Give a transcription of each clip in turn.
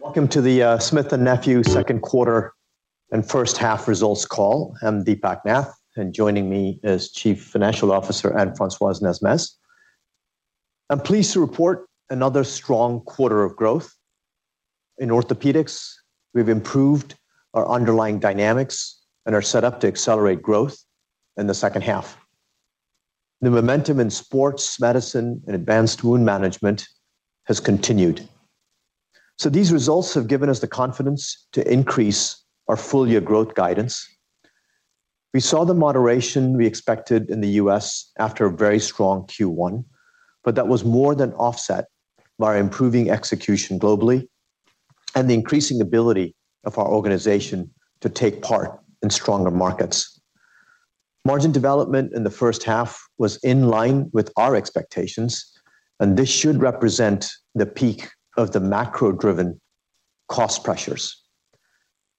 Welcome to the Smith+Nephew second quarter and first half results call. I'm Deepak Nath, and joining me is Chief Financial Officer, Anne-Francoise Nesmes. I'm pleased to report another strong quarter of growth. In orthopedics, we've improved our underlying dynamics and are set up to accelerate growth in the second half. The momentum in sports medicine and advanced wound management has continued. These results have given us the confidence to increase our full year growth guidance. We saw the moderation we expected in the US after a very strong Q1, but that was more than offset by improving execution globally and the increasing ability of our organization to take part in stronger markets. Margin development in the first half was in line with our expectations, and this should represent the peak of the macro-driven cost pressures.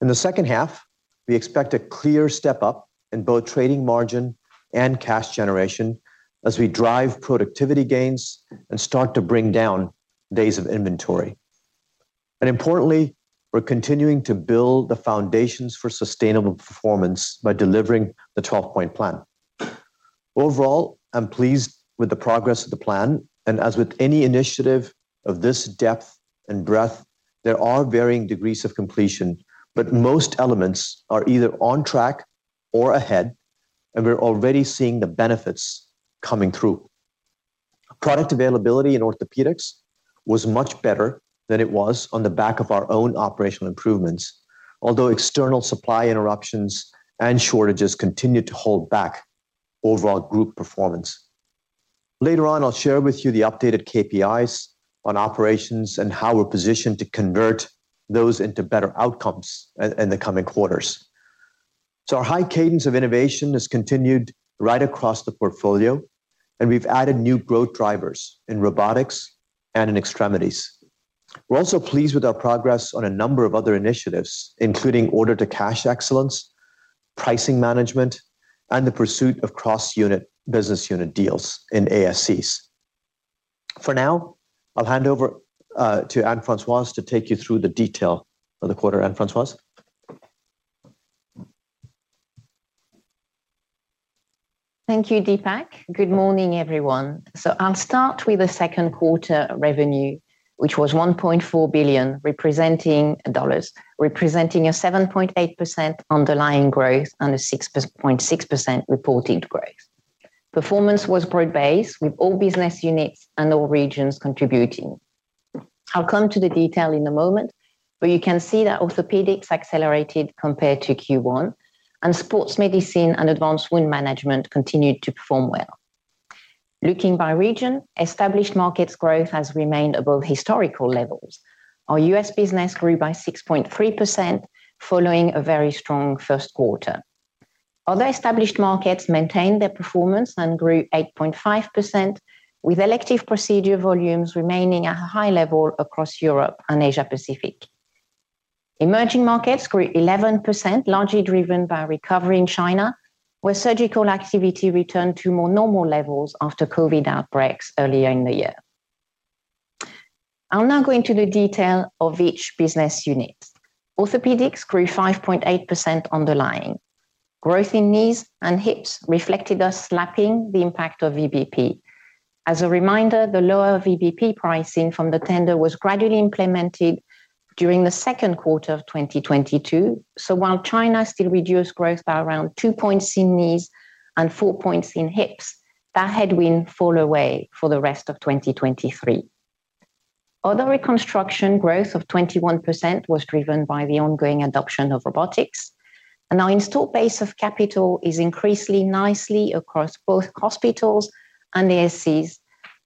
In the second half, we expect a clear step up in both trading margin and cash generation as we drive productivity gains and start to bring down days of inventory. Importantly, we're continuing to build the foundations for sustainable performance by delivering the 12-point plan. Overall, I'm pleased with the progress of the plan, and as with any initiative of this depth and breadth, there are varying degrees of completion, but most elements are either on track or ahead, and we're already seeing the benefits coming through. Product availability in orthopedics was much better than it was on the back of our own operational improvements, although external supply interruptions and shortages continued to hold back overall group performance. Later on, I'll share with you the updated KPIs on operations and how we're positioned to convert those into better outcomes in the coming quarters. Our high cadence of innovation has continued right across the portfolio, and we've added new growth drivers in robotics and in extremities. We're also pleased with our progress on a number of other initiatives, including order-to-cash excellence, pricing management, and the pursuit of cross-unit business unit deals in ASCs. For now, I'll hand over to Anne-Francoise to take you through the detail of the quarter. Anne-Francoise? Thank you, Deepak. Good morning, everyone. I'll start with the second quarter revenue, which was $1.4 billion, representing dollars, representing a 7.8% underlying growth and a 6.6% reported growth. Performance was broad-based, with all business units and all regions contributing. I'll come to the detail in a moment, but you can see that orthopedics accelerated compared to Q1, and sports medicine and advanced wound management continued to perform well. Looking by region, established markets growth has remained above historical levels. Our US business grew by 6.3%, following a very strong first quarter. Other established markets maintained their performance and grew 8.5%, with elective procedure volumes remaining at a high level across Europe and Asia Pacific. Emerging markets grew 11%, largely driven by a recovery in China, where surgical activity returned to more normal levels after COVID outbreaks earlier in the year. I'll now go into the detail of each business unit. Orthopedics grew 5.8% underlying. Growth in knees and hips reflected us lapping the impact of VBP. As a reminder, the lower VBP pricing from the tender was gradually implemented during the second quarter of 2022. While China still reduced growth by around 2 points in knees and 4 points in hips, that headwind fall away for the rest of 2023. Other reconstruction growth of 21% was driven by the ongoing adoption of robotics, our installed base of capital is increasingly nicely across both hospitals and ASCs,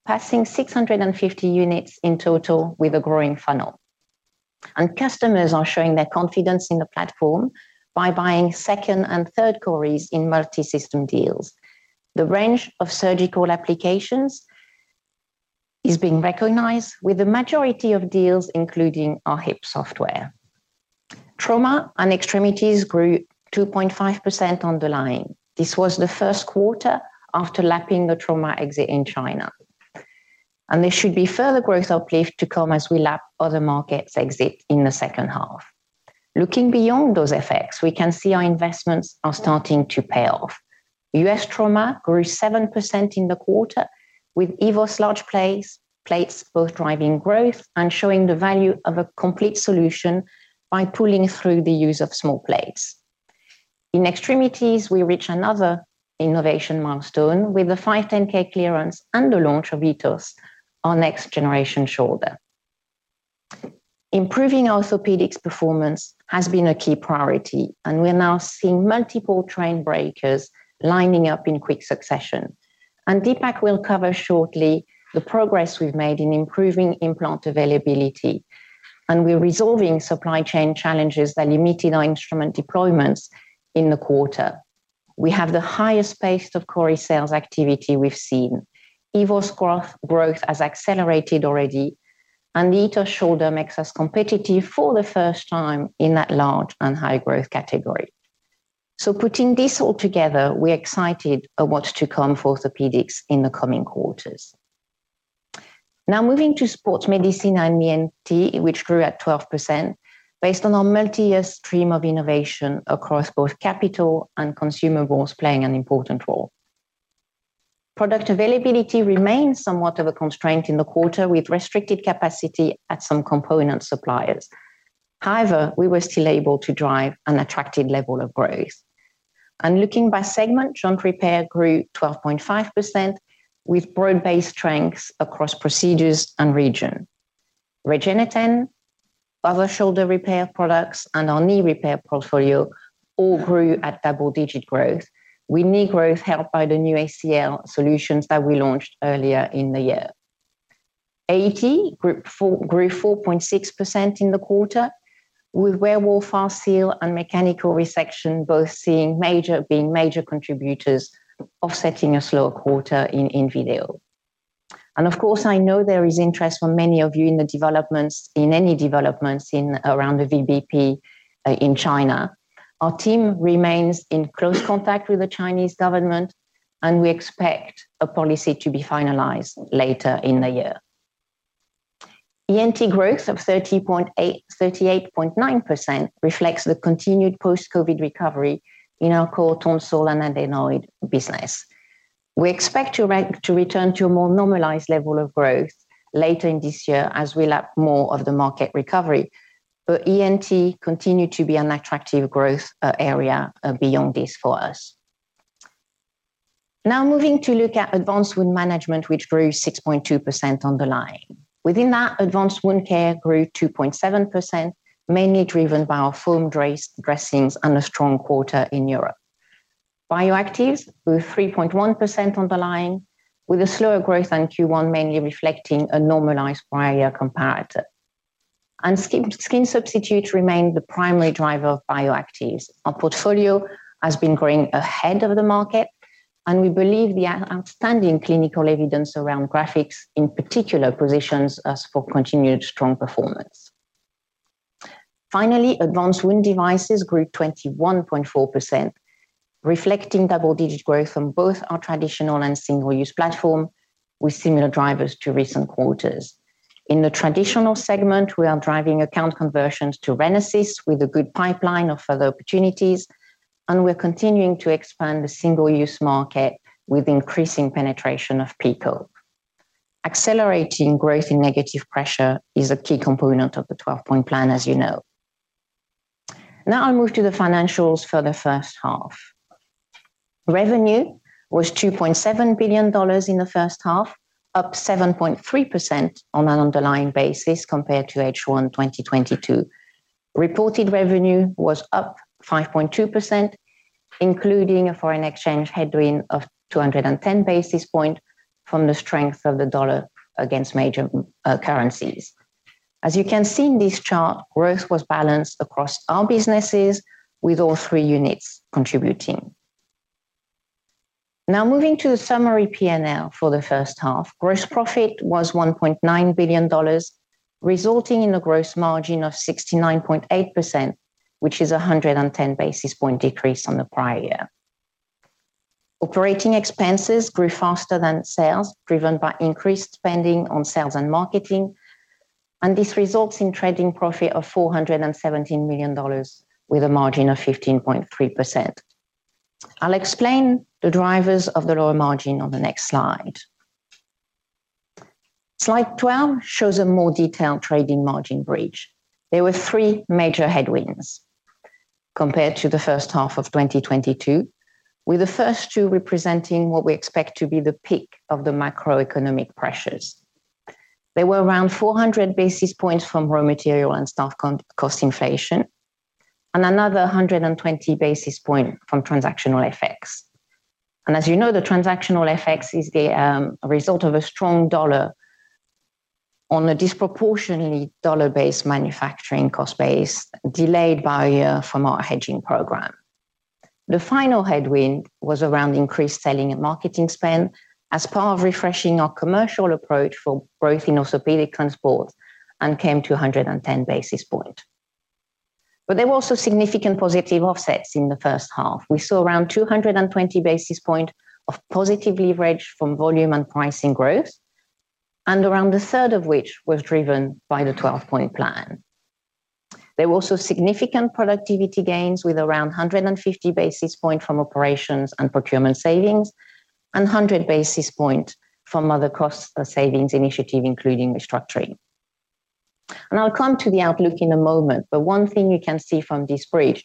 passing 650 units in total with a growing funnel. Customers are showing their confidence in the platform by buying second and third Corys in multi-system deals. The range of surgical applications is being recognized, with the majority of deals including our hip software. Trauma and extremities grew 2.5% underlying. This was the first quarter after lapping the trauma exit in China, and there should be further growth uplift to come as we lap other markets exit in the second half. Looking beyond those effects, we can see our investments are starting to pay off. US trauma grew 7% in the quarter, with Evos large plates, plates both driving growth and showing the value of a complete solution by pulling through the use of small plates. In extremities, we reach another innovation milestone with the 510(k) clearance and the launch of Etos, our next generation shoulder. Improving our orthopedics performance has been a key priority, and we're now seeing multiple trend breakers lining up in quick succession. Deepak will cover shortly the progress we've made in improving implant availability, and we're resolving supply chain challenges that limited our instrument deployments in the quarter. We have the highest pace of Cory sales activity we've seen. Evos growth has accelerated already, and the Etos shoulder makes us competitive for the first time in that large and high-growth category. Putting this all together, we're excited of what's to come for Orthopedics in the coming quarters. Now, moving to Sports Medicine and ENT, which grew at 12%, based on our multi-year stream of innovation across both capital and consumables playing an important role. Product availability remains somewhat of a constraint in the quarter, with restricted capacity at some component suppliers. However, we were still able to drive an attractive level of growth. Looking by segment, Joint Repair grew 12.5%, with broad-based strengths across procedures and region. Regeneten, other shoulder repair products, and our knee repair portfolio all grew at double-digit growth, with knee growth helped by the new ACL solutions that we launched earlier in the year. AE grew 4.6% in the quarter, with Werewolf, Foreseal, and mechanical resection both being major contributors, offsetting a slower quarter in video. Of course, I know there is interest from many of you in the developments, in any developments in around the VBP in China. Our team remains in close contact with the Chinese government, and we expect a policy to be finalized later in the year. ENT growth of 38.9% reflects the continued post-COVID recovery in our core tonsil and adenoid business. We expect to return to a more normalized level of growth later in this year as we lap more of the market recovery. ENT continued to be an attractive growth area beyond this for us. Now, moving to look at Advanced Wound Management, which grew 6.2% underlying. Within that, advanced wound care grew 2.7%, mainly driven by our foam dressings and a strong quarter in Europe. Bioactives grew 3.1% underlying, with a slower growth than Q1, mainly reflecting a normalized prior year comparator. Skin substitutes remained the primary driver of bioactives. Our portfolio has been growing ahead of the market, and we believe the outstanding clinical evidence around graphics, in particular, positions us for continued strong performance. Finally, advanced wound devices grew 21.4%, reflecting double-digit growth from both our traditional and single-use platform, with similar drivers to recent quarters. In the traditional segment, we are driving account conversions to Renesis, with a good pipeline of further opportunities, and we're continuing to expand the single-use market with increasing penetration of PICO. Accelerating growth in negative pressure is a key component of the 12-point plan, as you know. Now I'll move to the financials for the first half. Revenue was $2.7 billion in the first half, up 7.3% on an underlying basis compared to H1 2022. Reported revenue was up 5.2%, including a foreign exchange headwind of 210 basis point from the strength of the dollar against major currencies. As you can see in this chart, growth was balanced across all businesses, with all three units contributing. Now, moving to the summary P&L for the first half. Gross profit was $1.9 billion, resulting in a gross margin of 69.8%, which is 110 basis point decrease on the prior year. Operating expenses grew faster than sales, driven by increased spending on sales and marketing. This results in trading profit of $417 million, with a margin of 15.3%. I'll explain the drivers of the lower margin on the next slide. Slide 12 shows a more detailed trading margin bridge. There were three major headwinds compared to the first half of 2022, with the first two representing what we expect to be the peak of the macroeconomic pressures. They were around 400 basis points from raw material and staff cost inflation, another 120 basis point from transactional effects. As you know, the transactional effects is the result of a strong dollar on a disproportionately dollar-based manufacturing cost base, delayed by from our hedging program. The final headwind was around increased selling and marketing spend as part of refreshing our commercial approach for growth in orthopedics and sports and came to 110 basis point. There were also significant positive offsets in the first half. We saw around 220 basis point of positive leverage from volume and pricing growth. Around a third of which was driven by the 12-point plan. There were also significant productivity gains, with around 150 basis point from operations and procurement savings and 100 basis point from other cost savings initiative, including restructuring. I'll come to the outlook in a moment, but one thing you can see from this bridge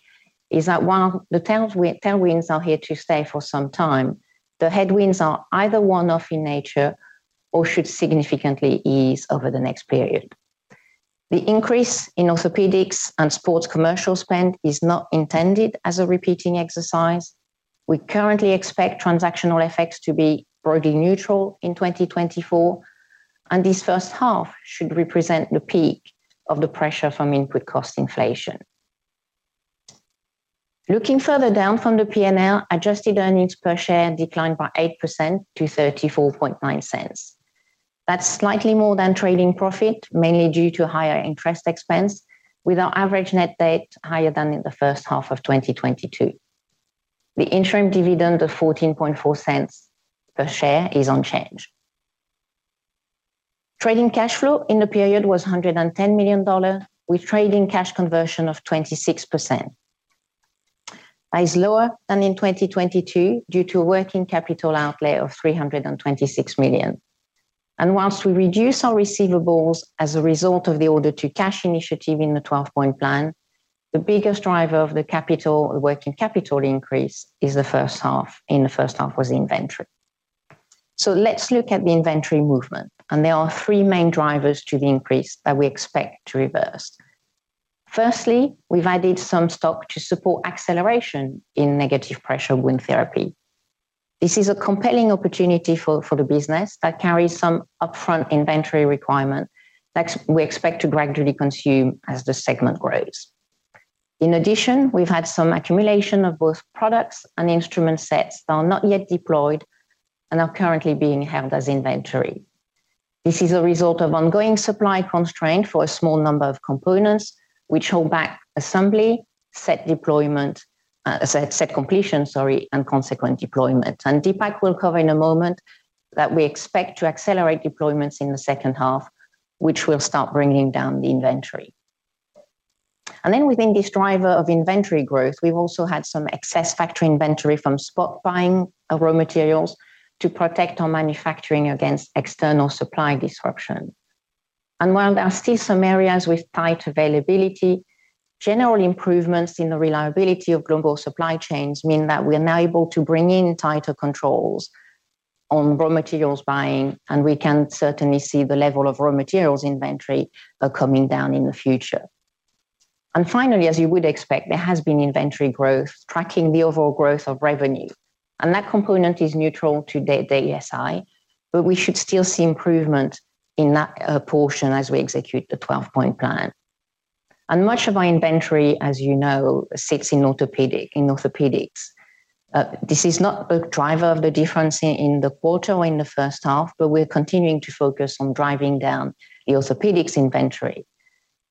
is that while the headwinds are here to stay for some time, the headwinds are either one-off in nature or should significantly ease over the next period. The increase in Orthopedics and Sports commercial spend is not intended as a repeating exercise. We currently expect transactional effects to be broadly neutral in 2024. This first half should represent the peak of the pressure from input cost inflation. Looking further down from the P&L, adjusted earnings per share declined by 8% to $0.349. That's slightly more than trading profit, mainly due to higher interest expense, with our average net debt higher than in the first half of 2022. The interim dividend of $0.144 per share is unchanged. Trading cash flow in the period was $110 million, with trading cash conversion of 26%. That is lower than in 2022 due to working capital outlay of $326 million. Whilst we reduce our receivables as a result of the order-to-cash initiative in the 12-point plan, the biggest driver of the capital, the working capital increase, in the first half was the inventory. Let's look at the inventory movement, and there are three main drivers to the increase that we expect to reverse. Firstly, we've added some stock to support acceleration in negative pressure wound therapy. This is a compelling opportunity for the business that carries some upfront inventory requirement that we expect to gradually consume as the segment grows. In addition, we've had some accumulation of both products and instrument sets that are not yet deployed and are currently being held as inventory. This is a result of ongoing supply constraint for a small number of components, which hold back assembly, set deployment, set completion, sorry, and consequent deployment. Deepak will cover in a moment that we expect to accelerate deployments in the second half, which will start bringing down the inventory. Then within this driver of inventory growth, we've also had some excess factory inventory from spot buying of raw materials to protect our manufacturing against external supply disruption. While there are still some areas with tight availability, general improvements in the reliability of global supply chains mean that we are now able to bring in tighter controls on raw materials buying, and we can certainly see the level of raw materials inventory coming down in the future. Finally, as you would expect, there has been inventory growth tracking the overall growth of revenue, and that component is neutral to D-DSI, but we should still see improvement in that portion as we execute the 12-point plan. Much of our inventory, as you know, sits in orthopedic, in orthopedics. This is not a driver of the difference in, in the quarter or in the first half, but we're continuing to focus on driving down the orthopedics inventory.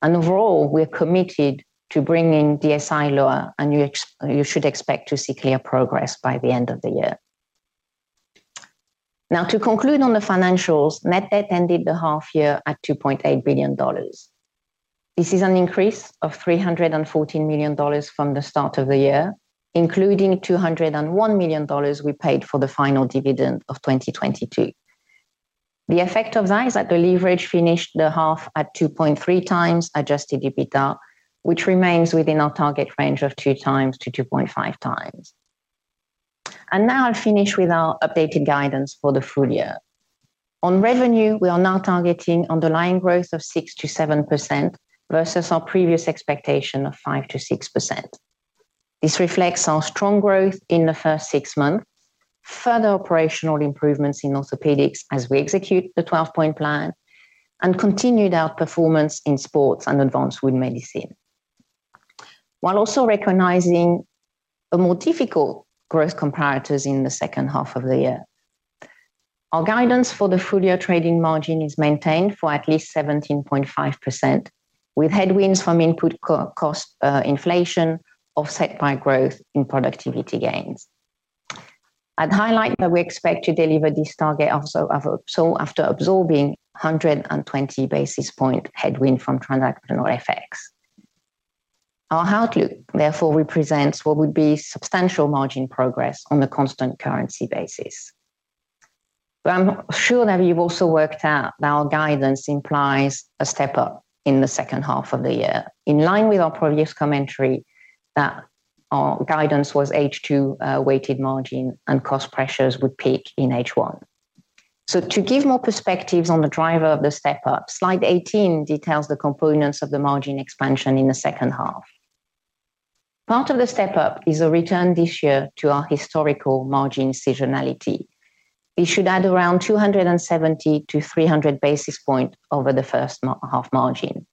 Overall, we're committed to bringing DSI lower, and you should expect to see clear progress by the end of the year. To conclude on the financials, net debt ended the half year at $2.8 billion. This is an increase of $314 million from the start of the year, including $201 million we paid for the final dividend of 2022. The effect of that is that the leverage finished the half at 2.3 times adjusted EBITDA, which remains within our target range of 2 times-2.5 times. Now I'll finish with our updated guidance for the full year. On revenue, we are now targeting underlying growth of 6%-7% versus our previous expectation of 5%-6%. This reflects our strong growth in the first six months, further operational improvements in orthopedics as we execute the 12-point plan, and continued outperformance in sports and advanced wound management, while also recognizing the more difficult growth comparators in the second half of the year. Our guidance for the full-year trading margin is maintained for at least 17.5%, with headwinds from input cost inflation, offset by growth in productivity gains. I'd highlight that we expect to deliver this target also after absorbing 120 basis point headwind from transactional FX. Our outlook, therefore, represents what would be substantial margin progress on a constant currency basis. I'm sure that you've also worked out that our guidance implies a step-up in the second half of the year, in line with our previous commentary that our guidance was H2 weighted margin and cost pressures would peak in H1. To give more perspectives on the driver of the step-up, slide 18 details the components of the margin expansion in the second half. Part of the step-up is a return this year to our historical margin seasonality. It should add around 270-300 basis points over the first half margin.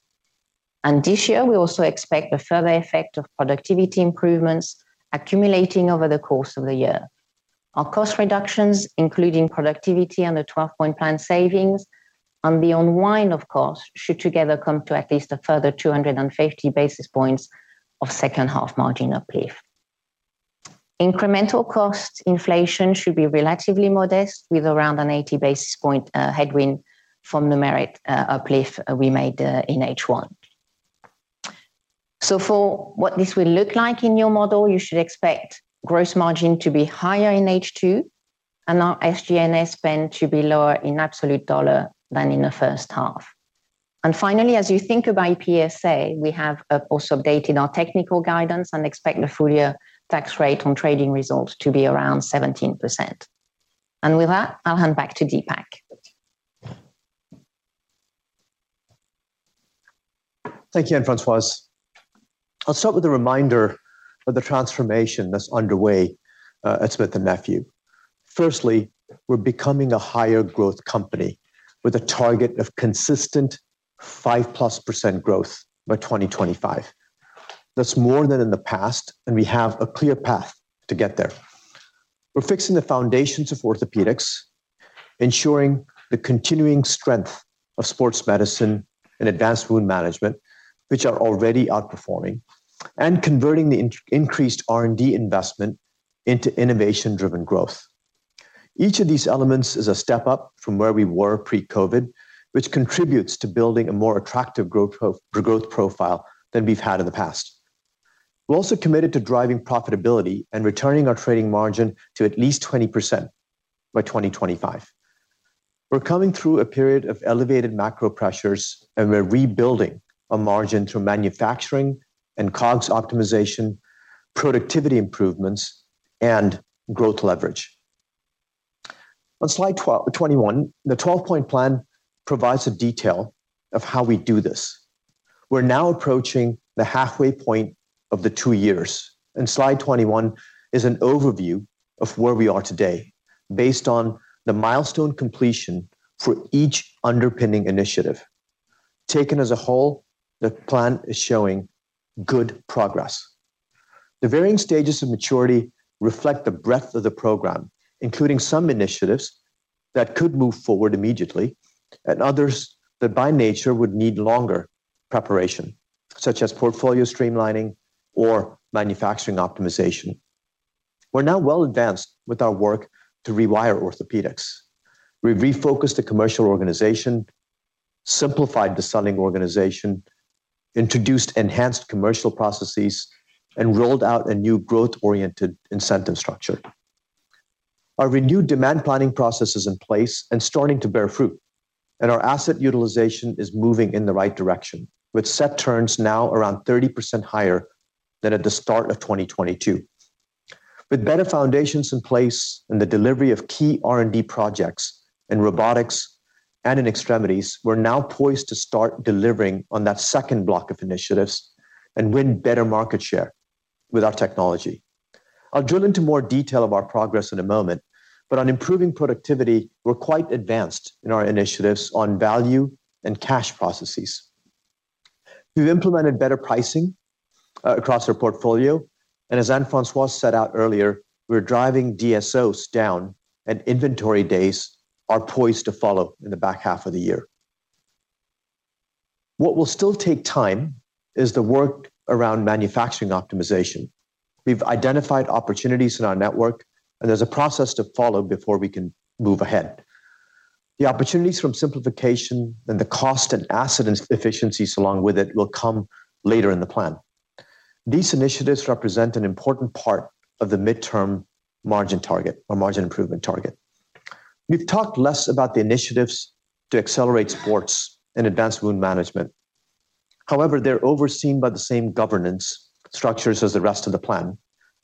This year, we also expect a further effect of productivity improvements accumulating over the course of the year. Our cost reductions, including productivity and the 12-point plan savings, and the unwind, of course, should together come to at least a further 250 basis points of second half margin uplift. Incremental cost inflation should be relatively modest, with around an 80 basis point headwind from the merit uplift we made in H1. For what this will look like in your model, you should expect gross margin to be higher in H2 and our SG&S spend to be lower in absolute dollar than in the first half. Finally, as you think about EPSA, we have also updated our technical guidance and expect the full year tax rate on trading results to be around 17%. With that, I'll hand back to Deepak. Thank you, Anne-Francoise. I'll start with a reminder of the transformation that's underway, at Smith+Nephew. Firstly, we're becoming a higher growth company with a target of consistent 5+% growth by 2025... That's more than in the past, and we have a clear path to get there. We're fixing the foundations of orthopedics, ensuring the continuing strength of sports medicine and advanced wound management, which are already outperforming, and converting the increased R&D investment into innovation-driven growth. Each of these elements is a step up from where we were pre-COVID, which contributes to building a more attractive growth profile than we've had in the past. We're also committed to driving profitability and returning our trading margin to at least 20% by 2025. We're coming through a period of elevated macro pressures, and we're rebuilding a margin through manufacturing and COGS optimization, productivity improvements, and growth leverage. On slide 21, the 12-point plan provides a detail of how we do this. We're now approaching the halfway point of the 2 years. Slide 21 is an overview of where we are today, based on the milestone completion for each underpinning initiative. Taken as a whole, the plan is showing good progress. The varying stages of maturity reflect the breadth of the program, including some initiatives that could move forward immediately, and others that, by nature, would need longer preparation, such as portfolio streamlining or manufacturing optimization. We're now well advanced with our work to rewire orthopedics. We've refocused the commercial organization, simplified the selling organization, introduced enhanced commercial processes, and rolled out a new growth-oriented incentive structure. Our renewed demand planning process is in place and starting to bear fruit, and our asset utilization is moving in the right direction, with set turns now around 30% higher than at the start of 2022. With better foundations in place and the delivery of key R&D projects in robotics and in extremities, we're now poised to start delivering on that second block of initiatives and win better market share with our technology. I'll drill into more detail of our progress in a moment. On improving productivity, we're quite advanced in our initiatives on value and cash processes. We've implemented better pricing across our portfolio. As Anne-Francoise set out earlier, we're driving DSOs down, and inventory days are poised to follow in the back half of the year. What will still take time is the work around manufacturing optimization. We've identified opportunities in our network. There's a process to follow before we can move ahead. The opportunities from simplification and the cost and asset inefficiencies along with it will come later in the plan. These initiatives represent an important part of the midterm margin target or margin improvement target. We've talked less about the initiatives to accelerate sports and advanced wound management. However, they're overseen by the same governance structures as the rest of the plan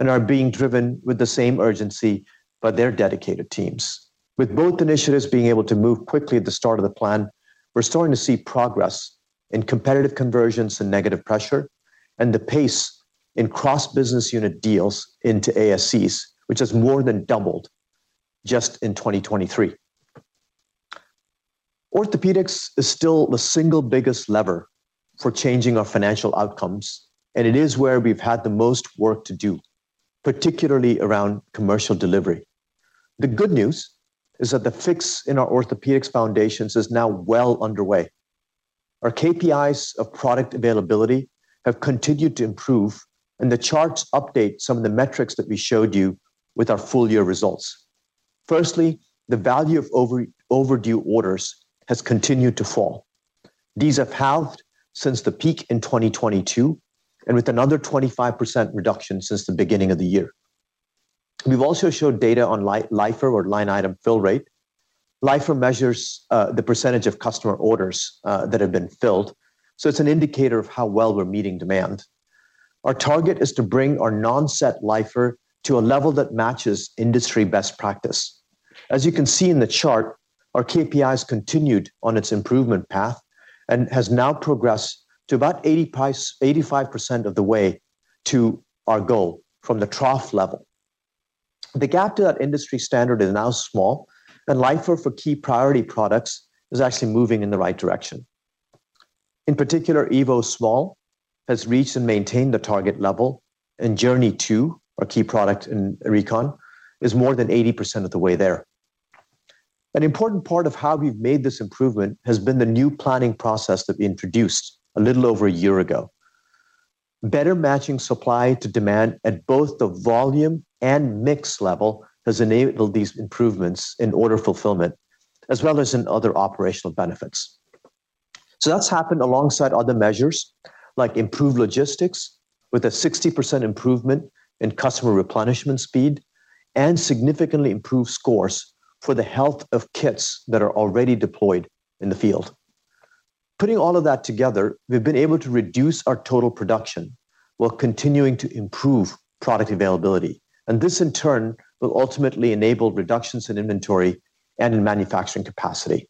and are being driven with the same urgency by their dedicated teams. With both initiatives being able to move quickly at the start of the plan, we're starting to see progress in competitive conversions and negative pressure, and the pace in cross-business unit deals into ASCs, which has more than doubled just in 2023. Orthopedics is still the single biggest lever for changing our financial outcomes, and it is where we've had the most work to do, particularly around commercial delivery. The good news is that the fix in our orthopedics foundations is now well underway. Our KPIs of product availability have continued to improve, and the charts update some of the metrics that we showed you with our full year results. Firstly, the value of overdue orders has continued to fall. These have halved since the peak in 2022, and with another 25% reduction since the beginning of the year. We've also showed data on LIFR or line item fill rate. LIFR measures the % of customer orders that have been filled, so it's an indicator of how well we're meeting demand. Our target is to bring our non-set LIFR to a level that matches industry best practice. As you can see in the chart, our KPIs continued on its improvement path and has now progressed to about 85% of the way to our goal from the trough level. The gap to that industry standard is now small, and LIFR for key priority products is actually moving in the right direction. In particular, Evo Small has reached and maintained the target level, and Journey 2, our key product in recon, is more than 80% of the way there. An important part of how we've made this improvement has been the new planning process that we introduced a little over a year ago. Better matching supply to demand at both the volume and mix level has enabled these improvements in order fulfillment, as well as in other operational benefits. That's happened alongside other measures, like improved logistics, with a 60% improvement in customer replenishment speed, and significantly improved scores for the health of kits that are already deployed in the field. Putting all of that together, we've been able to reduce our total production while continuing to improve product availability. This, in turn, will ultimately enable reductions in inventory and in manufacturing capacity.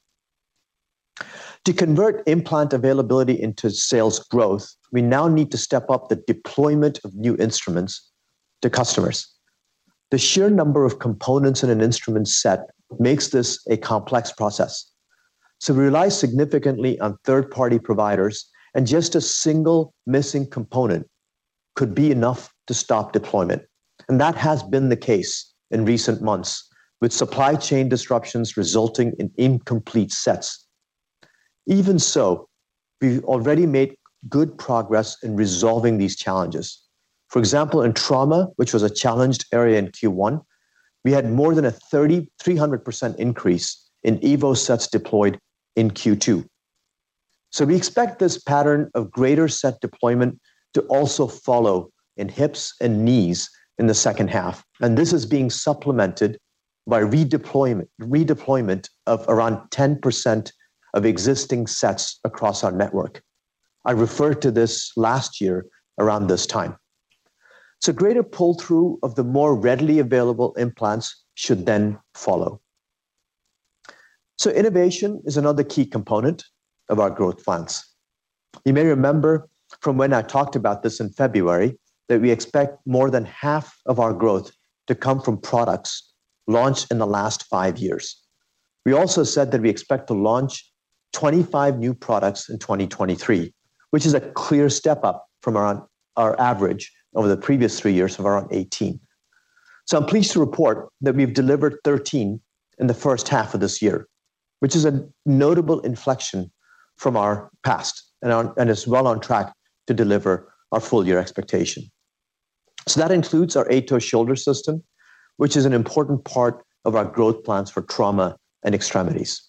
To convert implant availability into sales growth, we now need to step up the deployment of new instruments to customers. The sheer number of components in an instrument set makes this a complex process. We rely significantly on third-party providers, and just a single missing component could be enough to stop deployment. That has been the case in recent months, with supply chain disruptions resulting in incomplete sets. Even so, we've already made good progress in resolving these challenges. For example, in trauma, which was a challenged area in Q1, we had more than a 3,300% increase in EVOS sets deployed in Q2. We expect this pattern of greater set deployment to also follow in hips and knees in the second half, and this is being supplemented by redeployment, redeployment of around 10% of existing sets across our network. I referred to this last year around this time. Greater pull-through of the more readily available implants should then follow. Innovation is another key component of our growth plans. You may remember from when I talked about this in February, that we expect more than half of our growth to come from products launched in the last 5 years. We also said that we expect to launch 25 new products in 2023, which is a clear step up from around our average over the previous 3 years of around 18. I'm pleased to report that we've delivered 13 in the first half of this year, which is a notable inflection from our past and is well on track to deliver our full year expectation. That includes our ATOS shoulder system, which is an important part of our growth plans for trauma and extremities.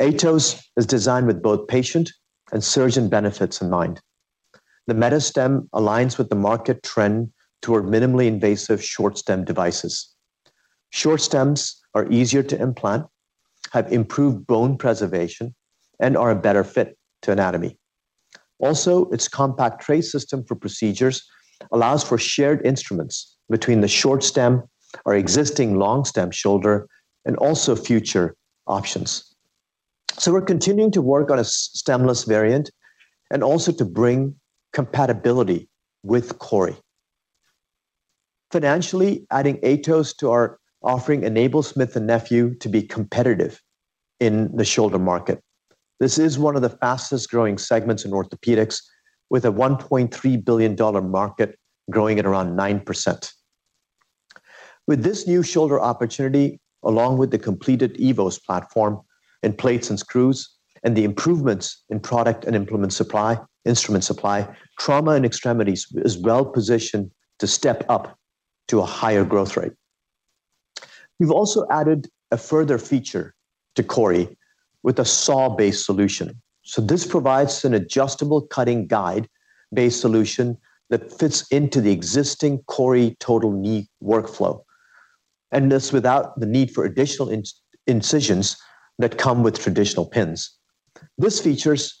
ATOS is designed with both patient and surgeon benefits in mind. The MetaStem aligns with the market trend toward minimally invasive short stem devices. Short stems are easier to implant, have improved bone preservation, and are a better fit to anatomy. Also, its compact tray system for procedures allows for shared instruments between the short stem or existing long stem shoulder, and also future options. We're continuing to work on a stemless variant and also to bring compatibility with CORI. Financially, adding ATOS to our offering enables Smith+Nephew to be competitive in the shoulder market. This is one of the fastest-growing segments in orthopedics, with a $1.3 billion market growing at around 9%. With this new shoulder opportunity, along with the completed EVOS platform and plates and screws, and the improvements in product and instrument supply, trauma and extremities is well positioned to step up to a higher growth rate. We've also added a further feature to CORI with a saw-based solution. This provides an adjustable cutting guide-based solution that fits into the existing CORI total knee workflow, and that's without the need for additional incisions that come with traditional pins. This features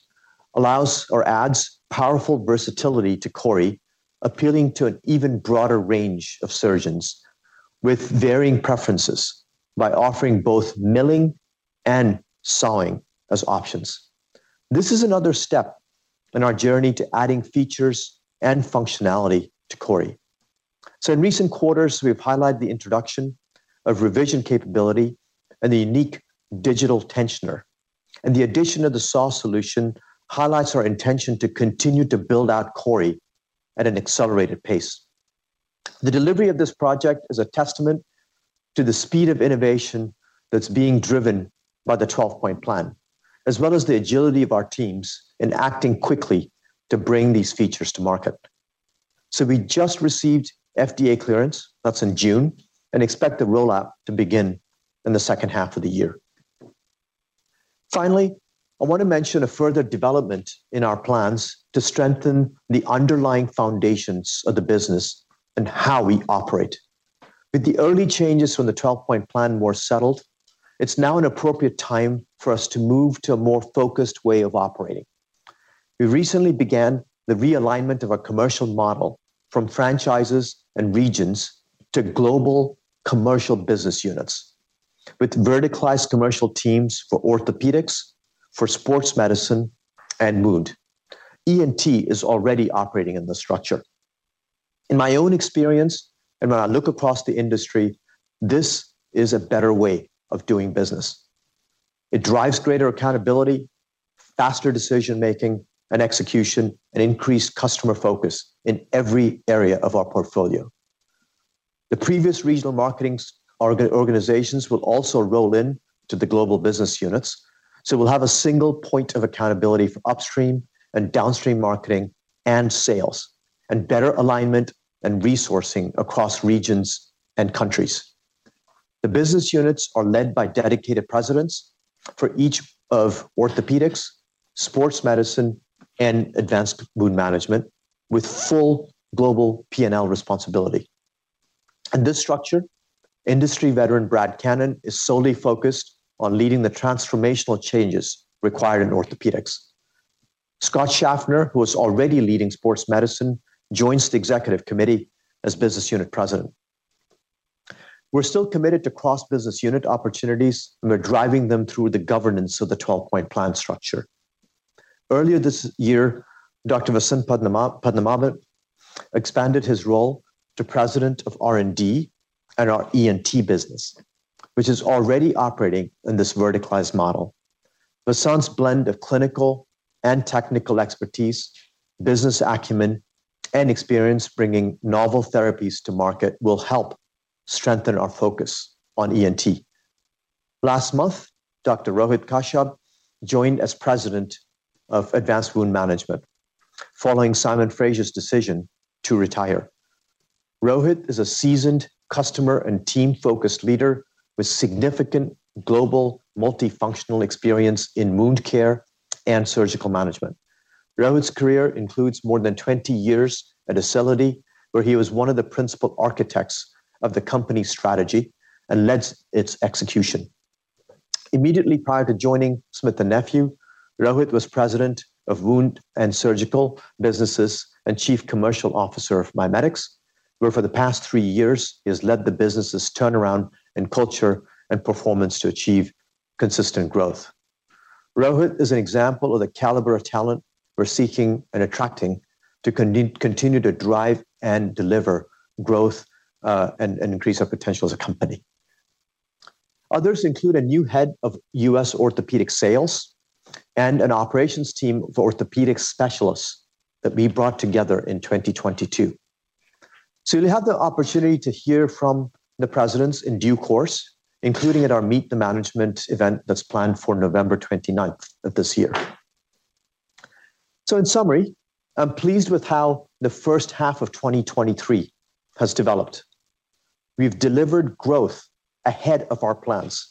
allows or adds powerful versatility to CORI, appealing to an even broader range of surgeons with varying preferences by offering both milling and sawing as options. This is another step in our journey to adding features and functionality to CORI. In recent quarters, we've highlighted the introduction of revision capability and the unique digital tensioner, and the addition of the saw solution highlights our intention to continue to build out CORI at an accelerated pace. The delivery of this project is a testament to the speed of innovation that's being driven by the 12-point plan, as well as the agility of our teams in acting quickly to bring these features to market. We just received FDA clearance, that's in June, and expect the rollout to begin in the second half of the year. Finally, I want to mention a further development in our plans to strengthen the underlying foundations of the business and how we operate. With the early changes from the 12-point plan more settled, it's now an appropriate time for us to move to a more focused way of operating. We recently began the realignment of our commercial model from franchises and regions to global commercial business units, with verticalized commercial teams for orthopedics, for sports medicine, and mood. ENT is already operating in this structure. In my own experience, and when I look across the industry, this is a better way of doing business. It drives greater accountability, faster decision-making and execution, and increased customer focus in every area of our portfolio. The previous regional marketings organizations will also roll in to the global business units, we'll have a single point of accountability for upstream and downstream marketing and sales, and better alignment and resourcing across regions and countries. The business units are led by dedicated presidents for each of orthopedics, sports medicine, and advanced wound management, with full global P&L responsibility. In this structure, industry veteran Brad Cannon is solely focused on leading the transformational changes required in orthopedics. Scott Schaffner, who is already leading sports medicine, joins the executive committee as Business Unit President. We're still committed to cross-business unit opportunities, and we're driving them through the governance of the 12-point plan structure. Earlier this year, Dr. Vasant Padmanab expanded his role to President of R&D and our ENT business, which is already operating in this verticalized model. Vasant's blend of clinical and technical expertise, business acumen, and experience bringing novel therapies to market will help strengthen our focus on ENT. Last month, Dr. Rohit Kashyap joined as President of Advanced Wound Management, following Simon Fraser's decision to retire. Rohit is a seasoned customer and team-focused leader with significant global multifunctional experience in wound care and surgical management. Rohit's career includes more than 20 years at Acelity, where he was one of the principal architects of the company's strategy and led its execution. Immediately prior to joining Smith+Nephew, Rohit was President of Wound and Surgical Businesses and Chief Commercial Officer of MiMedx, where for the past 3 years, he has led the business's turnaround in culture and performance to achieve consistent growth. Rohit is an example of the caliber of talent we're seeking and attracting to continue to drive and deliver growth, and increase our potential as a company. Others include a new head of U.S. orthopedic sales and an operations team of orthopedic specialists that we brought together in 2022. You'll have the opportunity to hear from the presidents in due course, including at our Meet the Management event that's planned for November 29th of this year. In summary, I'm pleased with how the first half of 2023 has developed. We've delivered growth ahead of our plans,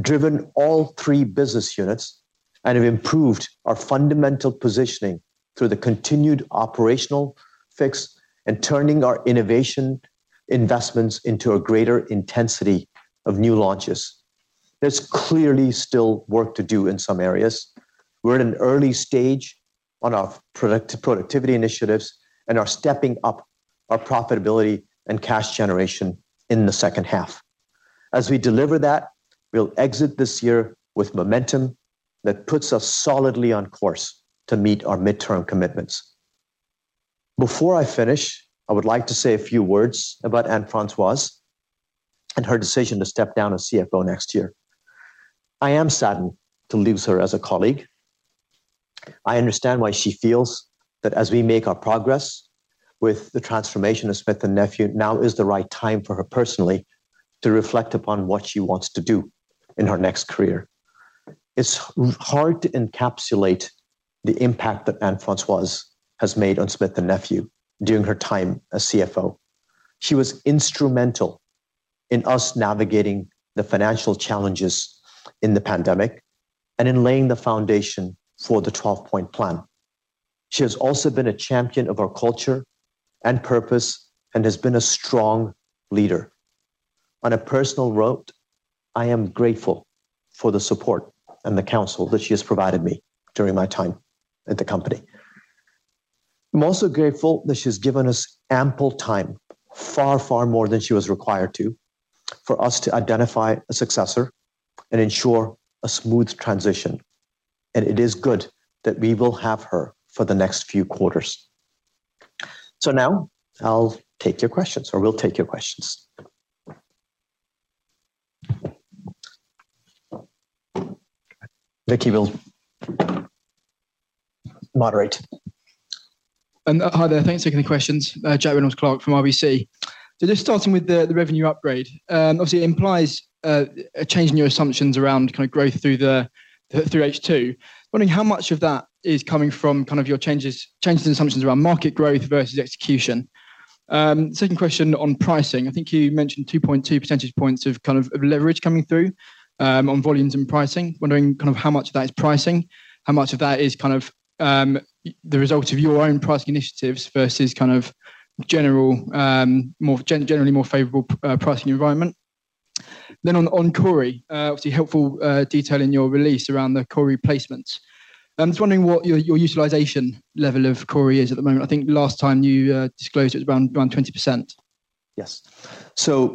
driven all three business units, and have improved our fundamental positioning through the continued operational fix and turning our innovation investments into a greater intensity of new launches. There's clearly still work to do in some areas. We're at an early stage on our productivity initiatives and are stepping up our profitability and cash generation in the second half. As we deliver that, we'll exit this year with momentum that puts us solidly on course to meet our midterm commitments. Before I finish, I would like to say a few words about Anne-Francoise and her decision to step down as CFO next year. I am saddened to lose her as a colleague. I understand why she feels that as we make our progress with the transformation of Smith+Nephew, now is the right time for her personally to reflect upon what she wants to do in her next career. It's hard to encapsulate the impact that Anne-Francoise has made on Smith+Nephew during her time as CFO. She was instrumental in us navigating the financial challenges in the pandemic and in laying the foundation for the 12-point plan. She has also been a champion of our culture and purpose and has been a strong leader. On a personal note, I am grateful for the support and the counsel that she has provided me during my time at the company. I'm also grateful that she's given us ample time, far, far more than she was required to, for us to identify a successor and ensure a smooth transition, and it is good that we will have her for the next few quarters. Now I'll take your questions, or we'll take your questions. Vicky will moderate. Hi there. Thanks for taking the questions. Joe Reynolds Clark from RBC. Just starting with the revenue upgrade, obviously, it implies a change in your assumptions around kind of growth through H2. Wondering how much of that is coming from kind of your changes, changes in assumptions around market growth versus execution. Second question on pricing. I think you mentioned 2.2 percentage points of kind of leverage coming through on volumes and pricing. Wondering kind of how much of that is pricing, how much of that is kind of the result of your own pricing initiatives versus kind of general, generally more favorable pricing environment? On Cori, obviously, helpful detail in your release around the Cori placements. Just wondering what your, your utilization level of Cori is at the moment. I think last time you disclosed it, it was around, around 20%. Yes.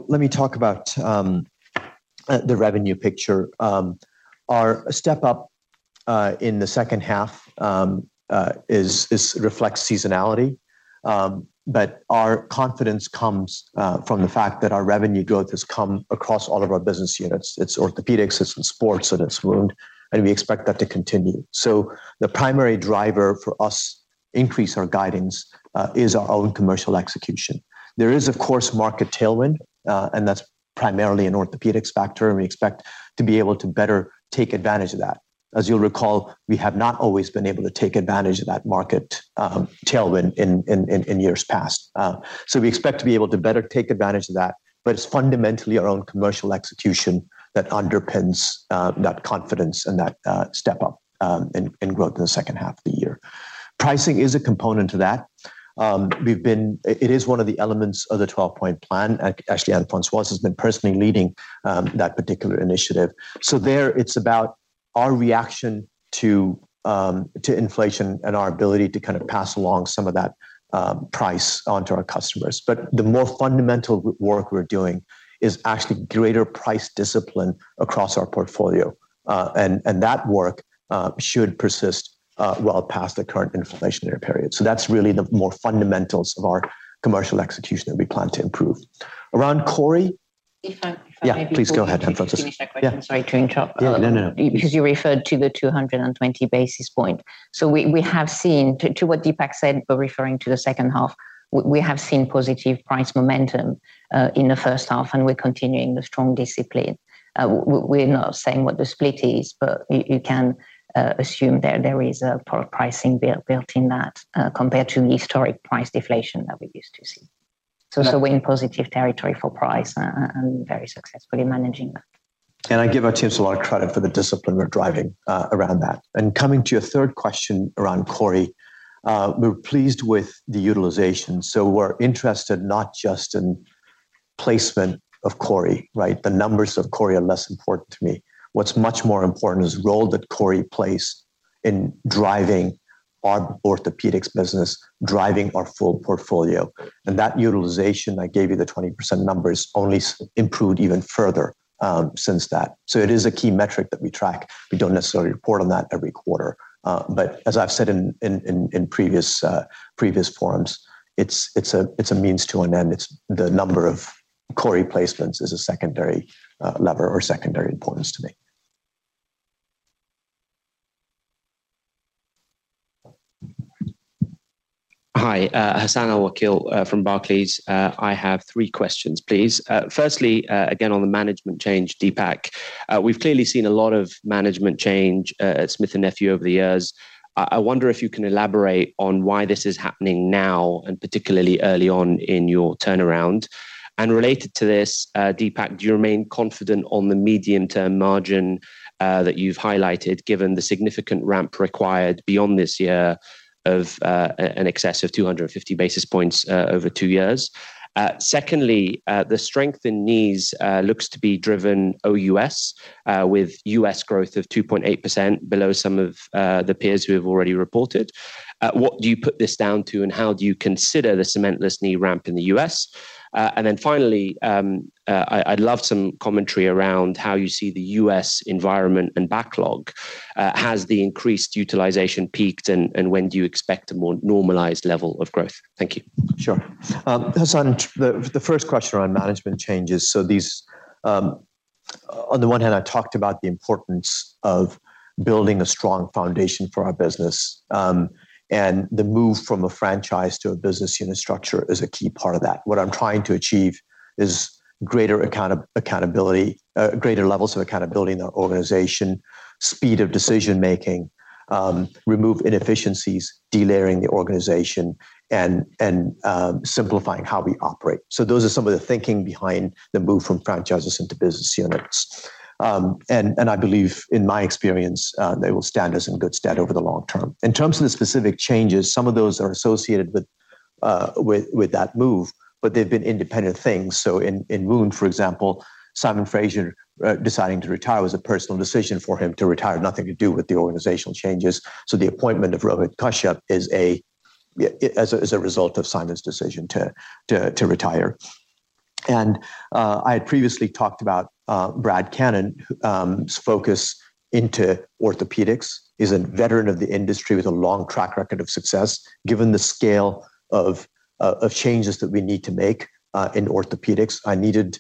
Let me talk about the revenue picture. Our step-up in the second half is reflects seasonality, but our confidence comes from the fact that our revenue growth has come across all of our business units. It's orthopedics, it's in sports, and it's wound, and we expect that to continue. The primary driver for us increase our guidance is our own commercial execution. There is, of course, market tailwind, and that's primarily an orthopedics factor, and we expect to be able to better take advantage of that. As you'll recall, we have not always been able to take advantage of that market tailwind in, in, in, in years past. We expect to be able to better take advantage of that, but it's fundamentally our own commercial execution that underpins that confidence and that step-up in growth in the second half of the year. Pricing is a component to that. We've been... it is one of the elements of the 12-point plan. Actually, Anne-Francoise has been personally leading that particular initiative. There, it's about our reaction to inflation and our ability to kind of pass along some of that price onto our customers. The more fundamental work we're doing is actually greater price discipline across our portfolio. That work should persist well past the current inflationary period. That's really the more fundamentals of our commercial execution that we plan to improve. Around Cori? If I. Yeah, please go ahead, Francesca. Finish that question. Yeah. Sorry to interrupt. Yeah, no, no. You referred to the 220 basis points. We, we have seen, to, to what Deepak said, referring to the second half, we have seen positive price momentum in the first half, we're continuing the strong discipline. We're not saying what the split is, you can assume there, there is a pro pricing built, built in that, compared to historic price deflation that we used to see. Yeah. So we're in positive territory for price and very successfully managing that. I give our teams a lot of credit for the discipline we're driving around that. Coming to your third question around Cori, we're pleased with the utilization. We're interested not just in placement of Cori, right? The numbers of Cori are less important to me. What's much more important is the role that Cori plays in driving our orthopedics business, driving our full portfolio. That utilization, I gave you the 20% numbers, only improved even further since that. It is a key metric that we track. We don't necessarily report on that every quarter, but as I've said in previous forums, it's, it's a, it's a means to an end. It's the number of Cori placements is a secondary lever or secondary importance to me. Hi, Hassan Awakil, from Barclays. I have 3 questions, please. Firstly, again, on the management change, Deepak. We've clearly seen a lot of management change at Smith+Nephew over the years. I, I wonder if you can elaborate on why this is happening now, and particularly early on in your turnaround. Related to this, Deepak, do you remain confident on the medium-term margin that you've highlighted, given the significant ramp required beyond this year of an excess of 250 basis points over 2 years? Secondly, the strength in knees looks to be driven OUS, with US growth of 2.8% below some of the peers who have already reported. What do you put this down to, and how do you consider the cementless knee ramp in the US? Then finally, I, I'd love some commentary around how you see the US environment and backlog. Has the increased utilization peaked, and when do you expect a more normalized level of growth? Thank you. Sure. Hassan, the first question around management changes. These on the one hand, I talked about the importance of building a strong foundation for our business, and the move from a franchise to a business unit structure is a key part of that. What I'm trying to achieve is greater accountability, greater levels of accountability in the organization, speed of decision making, remove inefficiencies, de-layering the organization and simplifying how we operate. Those are some of the thinking behind the move from franchises into business units. I believe in my experience, they will stand us in good stead over the long term. In terms of the specific changes, some of those are associated with that move, but they've been independent things. In, in Moon, for example, Simon Fraser deciding to retire was a personal decision for him to retire, nothing to do with the organizational changes. The appointment of Rohit Kashyap is a result of Simon's decision to retire. I had previously talked about Brad Cannon, whose focus into orthopedics. He's a veteran of the industry with a long track record of success. Given the scale of changes that we need to make in orthopedics, I needed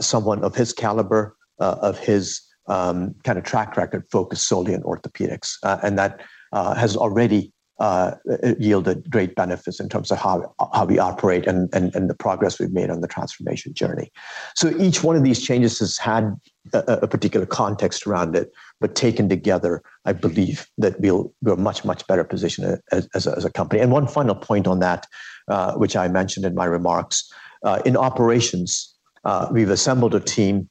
someone of his caliber, of his kind of track record focused solely on orthopedics. That has already yielded great benefits in terms of how we operate and the progress we've made on the transformation journey. Each one of these changes has had a particular context around it, but taken together, I believe that we're much, much better positioned as a company. One final point on that, which I mentioned in my remarks, in operations, we've assembled a team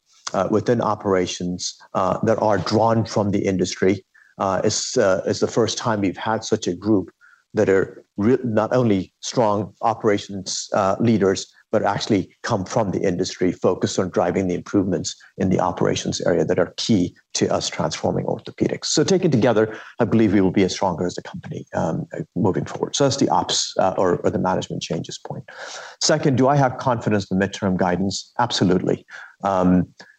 within operations that are drawn from the industry. It's the first time we've had such a group that are not only strong operations leaders, but actually come from the industry, focused on driving the improvements in the operations area that are key to us transforming orthopedics. Taken together, I believe we will be as stronger as a company, moving forward. That's the ops or the management changes point. Second, do I have confidence in the midterm guidance? Absolutely.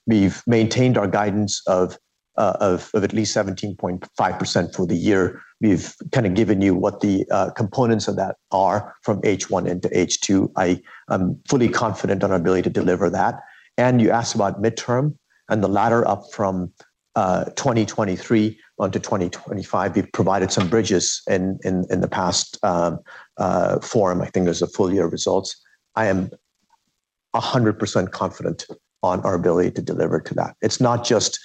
We've maintained our guidance of at least 17.5% for the year. We've kind of given you what the components of that are from H1 into H2. I am fully confident on our ability to deliver that. You asked about midterm and the latter up from 2023 onto 2025. We've provided some bridges in the past forum. I think there's a full year results. I am 100% confident on our ability to deliver to that. It's not just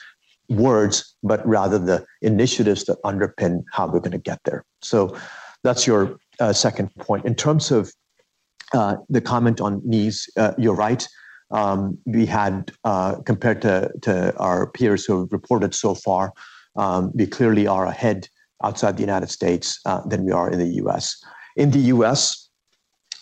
words, but rather the initiatives that underpin how we're going to get there. That's your second point. In terms of the comment on knees, you're right. We had, compared to our peers who have reported so far, we clearly are ahead outside the United States than we are in the US.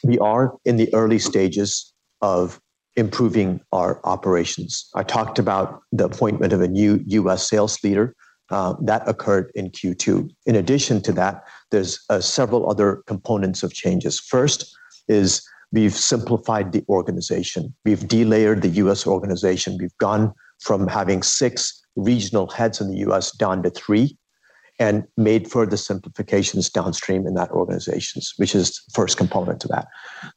We are in the early stages of improving our operations. I talked about the appointment of a new US sales leader that occurred in Q2. In addition to that, there's several other components of changes. First, is we've simplified the organization. We've delayered the US organization. We've gone from having six regional heads in the US down to three, and made further simplifications downstream in that organization, which is the first component to that.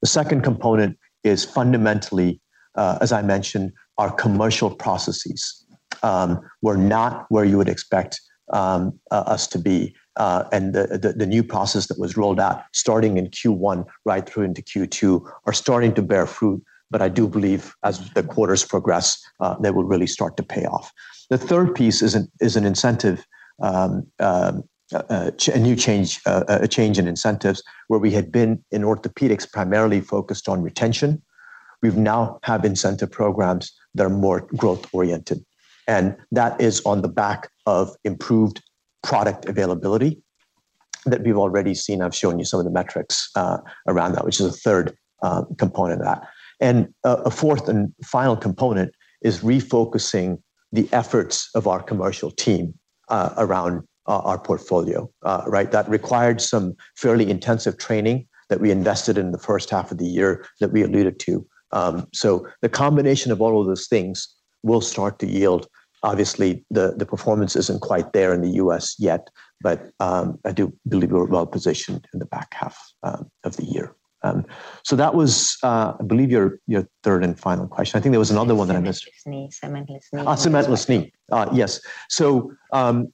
The second component is fundamentally, as I mentioned, our commercial processes were not where you would expect us to be. The, the, the new process that was rolled out, starting in Q1, right through into Q2 are starting to bear fruit. I do believe as the quarters progress, they will really start to pay off. The third piece is an, is an incentive, a new change, a change in incentives, where we had been in orthopedics, primarily focused on retention. We've now have incentive programs that are more growth-oriented, and that is on the back of improved product availability that we've already seen. I've shown you some of the metrics around that, which is the third component of that. A, a fourth and final component is refocusing the efforts of our commercial team around our, our portfolio. Right? That required some fairly intensive training that we invested in the first half of the year that we alluded to. The combination of all of those things will start to yield. Obviously, the, the performance isn't quite there in the US yet, but I do believe we're well positioned in the back half of the year. That was, I believe, your, your third and final question. I think there was another one that I missed. Cementless knee. Ah, cementless knee. Yes.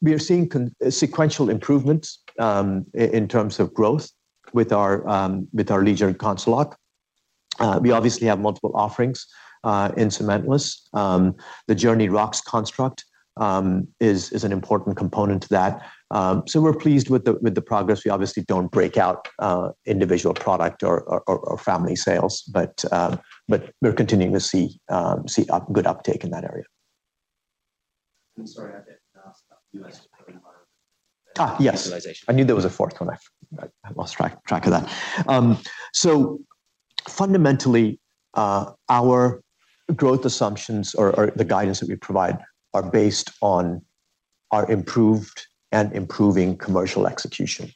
We are seeing sequential improvements, in terms of growth with our, with our leisure Consilock. We obviously have multiple offerings, in cementless. The Journey rocks construct, is, is an important component to that. We're pleased with the, with the progress. We obviously don't break out, individual product or, or, or, or family sales, but, we're continuing to see, see a good uptake in that area. I'm sorry, I did ask about US. Ah, yes. Utilization. I knew there was a fourth one. I, I, I lost track, track of that. Fundamentally, our growth assumptions or, or the guidance that we provide are based on our improved and improving commercial execution.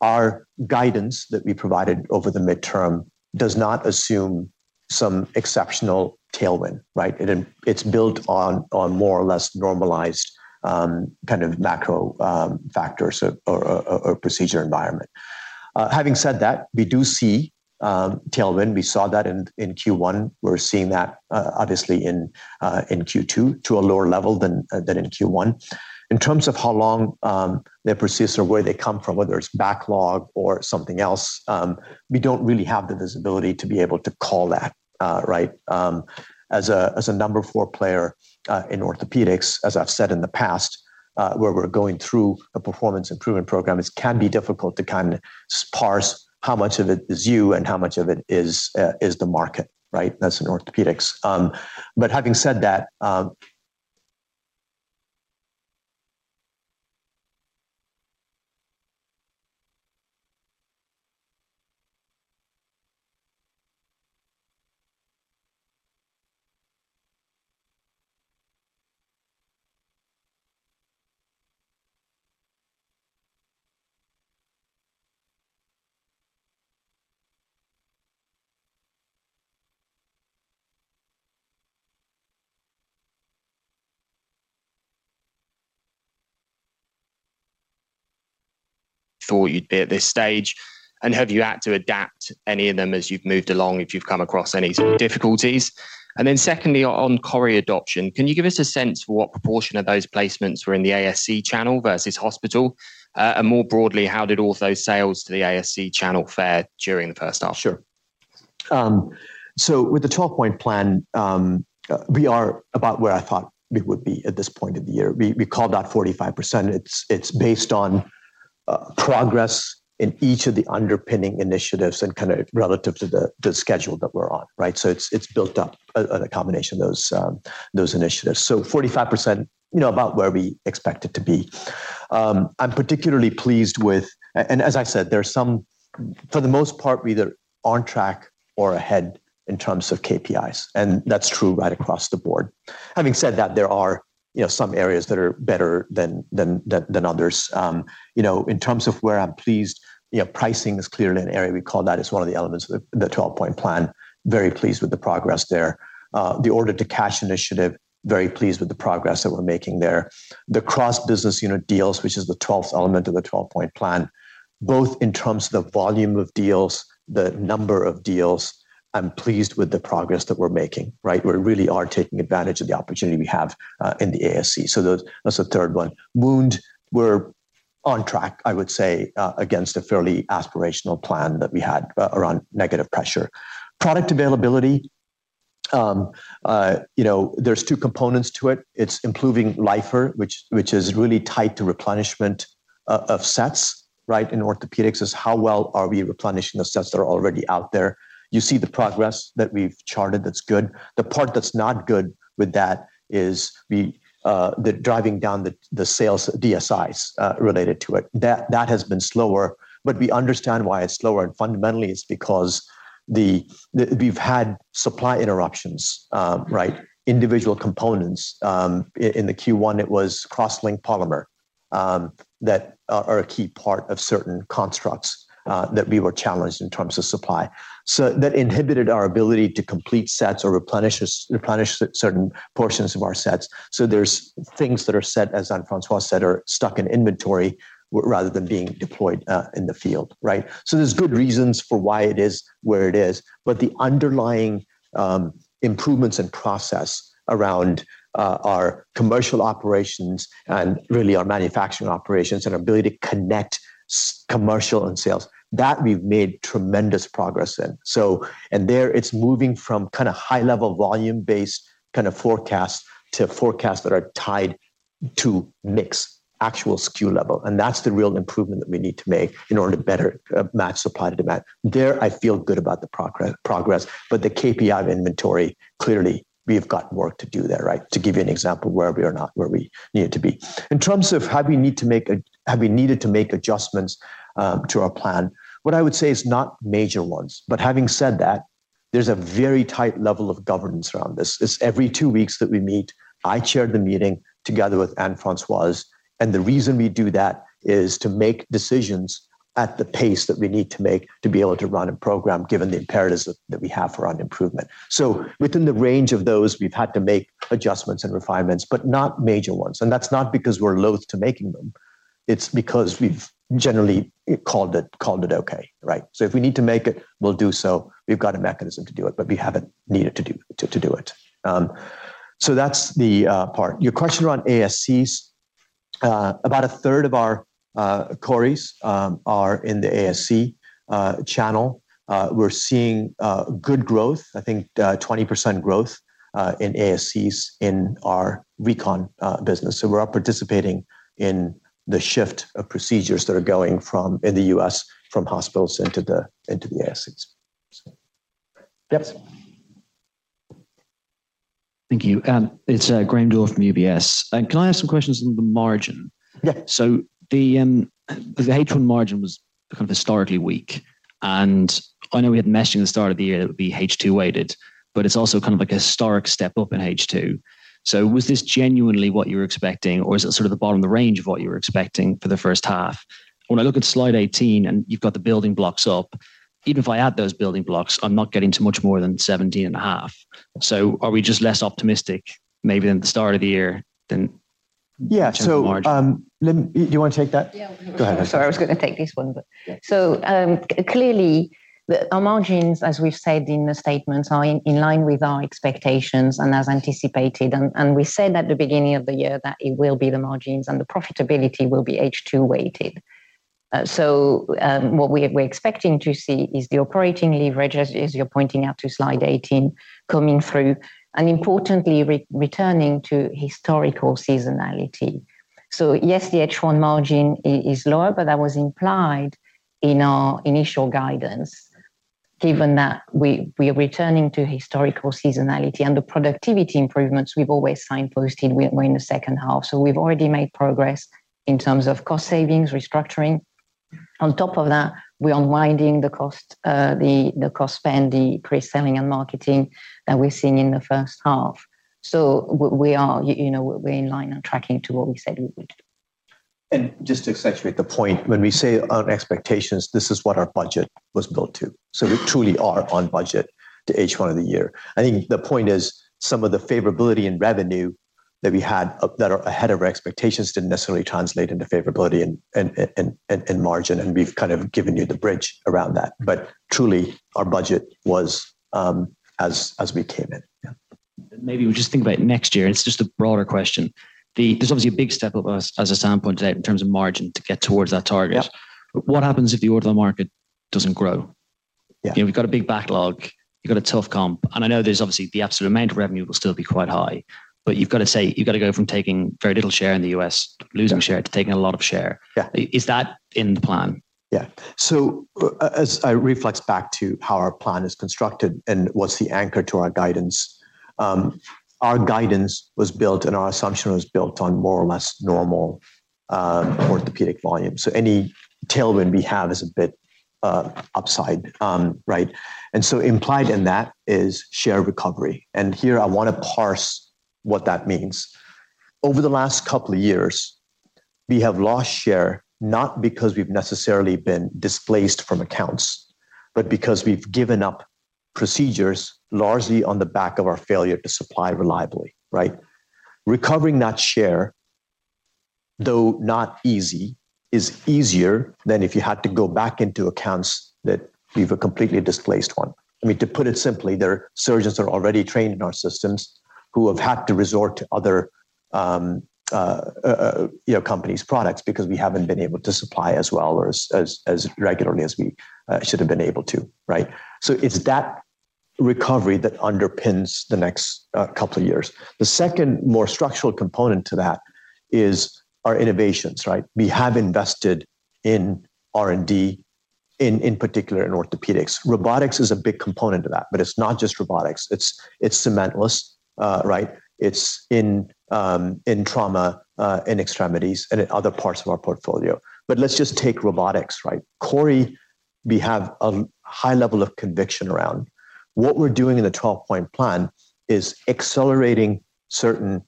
Our guidance that we provided over the midterm does not assume some exceptional tailwind, right? It, it's built on, on more or less normalized, kind of macro, factors or, or, or procedure environment. Having said that, we do see tailwind. We saw that in, in Q1. We're seeing that, obviously in, in Q2 to a lower level than, than in Q1. In terms of how long, they persist or where they come from, whether it's backlog or something else, we don't really have the visibility to be able to call that, right? As a, as a number four player, in orthopedics, as I've said in the past, where we're going through a performance improvement program, it can be difficult to kind of parse how much of it is you and how much of it is, is the market, right? That's in orthopedics. Having said that, Thought you'd be at this stage, and have you had to adapt any of them as you've moved along, if you've come across any difficulties? Then secondly, on Cori adoption, can you give us a sense for what proportion of those placements were in the ASC channel versus hospital? And more broadly, how did all those sales to the ASC channel fare during the first half? Sure. So with the 12-point plan, we are about where I thought we would be at this point of the year. We, we called out 45%. It's, it's based on progress in each of the underpinning initiatives and kind of relative to the, the schedule that we're on, right? So it's, it's built up a combination of those initiatives. So 45%, you know, about where we expect it to be. I'm particularly pleased with, and as I said, there are some, for the most part, we either on track or ahead in terms of KPIs, and that's true right across the board. Having said that, there are, you know, some areas that are better than others. You know, in terms of where I'm pleased, you know, pricing is clearly an area we call that as one of the 12-point plan. Very pleased with the progress there. The order to cash initiative, very pleased with the progress that we're making there. The cross-business unit deals, which is the 12th element of the 12-point plan, both in terms of the volume of deals, the number of deals, I'm pleased with the progress that we're making, right? We really are taking advantage of the opportunity we have in the ASC. That's the third one. Wound, we're on track, I would say, against a fairly aspirational plan that we had around negative pressure. Product availability, you know, there's two components to it. It's improving lifer, which is really tied to replenishment of sets, right? In orthopedics, is how well are we replenishing the sets that are already out there. You see the progress that we've charted, that's good. The part that's not good with that is we, the driving down the, the sales DSIs related to it. That, that has been slower, but we understand why it's slower, and fundamentally, it's because we've had supply interruptions, right? Individual components, in the Q1, it was cross-linked polymer, that are, are a key part of certain constructs, that we were challenged in terms of supply. So that inhibited our ability to complete sets or replenish certain portions of our sets. So there's things that are set, as Anne-Francoise said, are stuck in inventory rather than being deployed, in the field, right? There's good reasons for why it is where it is, but the underlying improvements in process around our commercial operations and really our manufacturing operations and ability to connect commercial and sales, that we've made tremendous progress in. It's moving from kinda high-level, volume-based kind of forecasts to forecasts that are tied to mix, actual SKU level, and that's the real improvement that we need to make in order to better match supply to demand. I feel good about the progress, but the KPI of inventory, clearly, we've got work to do there, right? To give you an example where we are not where we need to be. In terms of have we needed to make adjustments to our plan, what I would say is not major ones. Having said that, there's a very tight level of governance around this. It's every two weeks that we meet, I chair the meeting together with Anne-Francoise, the reason we do that is to make decisions at the pace that we need to make to be able to run a program, given the imperatives that we have around improvement. Within the range of those, we've had to make adjustments and refinements, but not major ones. That's not because we're loath to making them, it's because we've generally called it okay, right? If we need to make it, we'll do so. We've got a mechanism to do it, but we haven't needed to do it. That's the part. Your question around ASCs, about a third of our Corys are in the ASC channel. We're seeing good growth, I think, 20% growth in ASCs in our recon business. We're participating in the shift of procedures that are going from, in the US, from hospitals into the, into the ASCs. Yes. Thank you. It's Graham Doyle from UBS. Can I ask some questions on the margin? Yeah. The, the H1 margin was kind of historically weak, and I know we had meshed in the start of the year that it would be H2 weighted, but it's also kind of like a historic step up in H2. Was this genuinely what you were expecting, or is it sort of the bottom of the range of what you were expecting for the first half? When I look at slide 18 and you've got the building blocks up, even if I add those building blocks, I'm not getting to much more than 17.5. Are we just less optimistic maybe than the start of the year than-. Yeah. The margin? Do you want to take that? Yeah. Go ahead. Sorry, I was going to take this one, but- Yeah. Clearly, the, our margins, as we've said in the statements, are in, in line with our expectations and as anticipated. And we said at the beginning of the year that it will be the margins, and the profitability will be H2-weighted. What we, we're expecting to see is the operating leverage, as, as you're pointing out to slide 18, coming through, and importantly, returning to historical seasonality. Yes, the H1 margin is lower, but that was implied in our initial guidance, given that we, we're returning to historical seasonality and the productivity improvements we've always signposted were in the second half. We've already made progress in terms of cost savings, restructuring. On top of that, we're unwinding the cost, the, the cost spend, the pre-selling and marketing that we're seeing in the first half. We are, you know, we're in line and tracking to what we said we would do. Just to accentuate the point, when we say on expectations, this is what our budget was built to. We truly are on budget to H1 of the year. I think the point is some of the favorability in revenue that we had up, that are ahead of our expectations, didn't necessarily translate into favorability and margin, and we've kind of given you the bridge around that. Truly, our budget was, as we came in. Yeah. Maybe we just think about next year, and it's just a broader question. There's obviously a big step up as, as Sam pointed out, in terms of margin to get towards that target. Yeah. What happens if the order market doesn't grow? Yeah. You know, we've got a big backlog, you've got a tough comp, and I know there's obviously the absolute amount of revenue will still be quite high, but you've got to say you've got to go from taking very little share in the US, losing share, to taking a lot of share. Yeah. Is that in the plan? Yeah. As I reflect back to how our plan is constructed and what's the anchor to our guidance, our guidance was built and our assumption was built on more or less normal, orthopedic volume. Any tailwind we have is a bit upside, right? Implied in that is share recovery, and here I want to parse what that means. Over the last couple of years, we have lost share, not because we've necessarily been displaced from accounts, but because we've given up procedures largely on the back of our failure to supply reliably, right? Recovering that share, though not easy, is easier than if you had to go back into accounts that we've completely displaced one. I mean, to put it simply, there are surgeons that are already trained in our systems who have had to resort to other, you know, companies' products because we haven't been able to supply as well or as, as, as regularly as we should have been able to, right? It's that recovery that underpins the next couple of years. The second more structural component to that is our innovations, right? We have invested in R&D, in, in particular in orthopedics. Robotics is a big component of that, but it's not just robotics, it's, it's cementless, right? It's in, in trauma, in extremities and in other parts of our portfolio. Let's just take robotics, right? We have a high level of conviction around. What we're doing in the 12-point plan is accelerating certain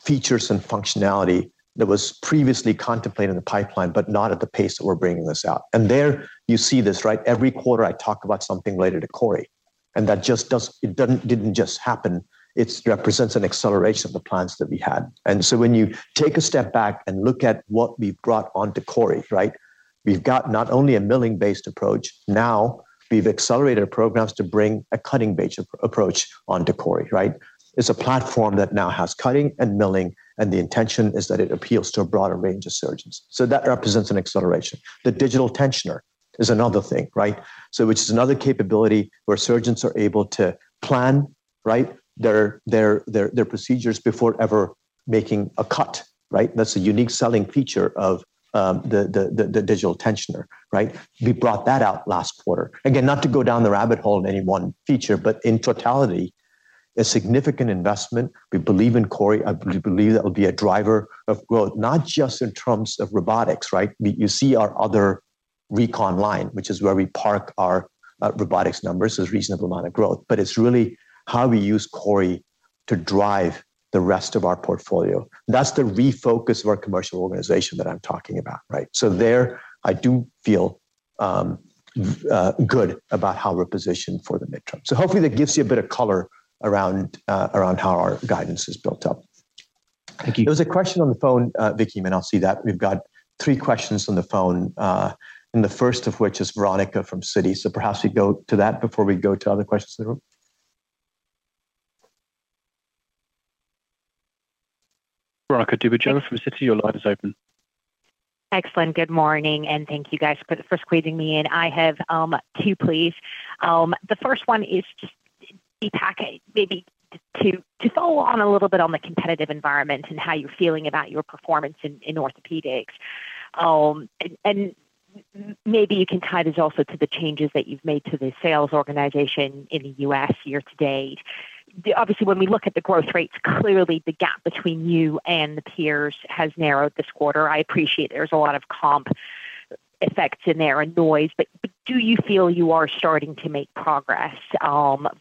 features and functionality that was previously contemplated in the pipeline, but not at the pace that we're bringing this out. There, you see this, right? Every quarter, I talk about something related to CORI, and that didn't just happen. It represents an acceleration of the plans that we had. When you take a step back and look at what we've brought onto CORI, right? We've got not only a milling-based approach, now we've accelerated our programs to bring a cutting-edge approach onto CORI, right? It's a platform that now has cutting and milling, and the intention is that it appeals to a broader range of surgeons. That represents an acceleration. The digital tensioner is another thing, right? Which is another capability where surgeons are able to plan, right, their, their, their, their procedures before ever making a cut, right? That's a unique selling feature of the, the, the, the digital tensioner, right? We brought that out last quarter. Again, not to go down the rabbit hole in any one feature, but in totality, a significant investment. We believe in CORI. I do believe that will be a driver of growth, not just in terms of robotics, right? You see our other recon line, which is where we park our robotics numbers, there's reasonable amount of growth, but it's really how we use CORI to drive the rest of our portfolio. That's the refocus of our commercial organization that I'm talking about, right? There I do feel good about how we're positioned for the midterm. Hopefully that gives you a bit of color around, around how our guidance is built up. Thank you. There was a question on the phone, Vicky, and I'll see that. We've got 3 questions on the phone, and the first of which is Veronica from Citi. Perhaps we go to that before we go to other questions in the room. Veronica Dubaj from Citi, your line is open. Excellent. Good morning, and thank you guys for, for squeezing me in. I have two, please. The first one is just Deepak, maybe to, to follow on a little bit on the competitive environment and how you're feeling about your performance in orthopedics. And, and maybe you can tie this also to the changes that you've made to the sales organization in the US year to date. Obviously, when we look at the growth rates, clearly the gap between you and the peers has narrowed this quarter. I appreciate there's a lot of comp effects in there and noise, but, but do you feel you are starting to make progress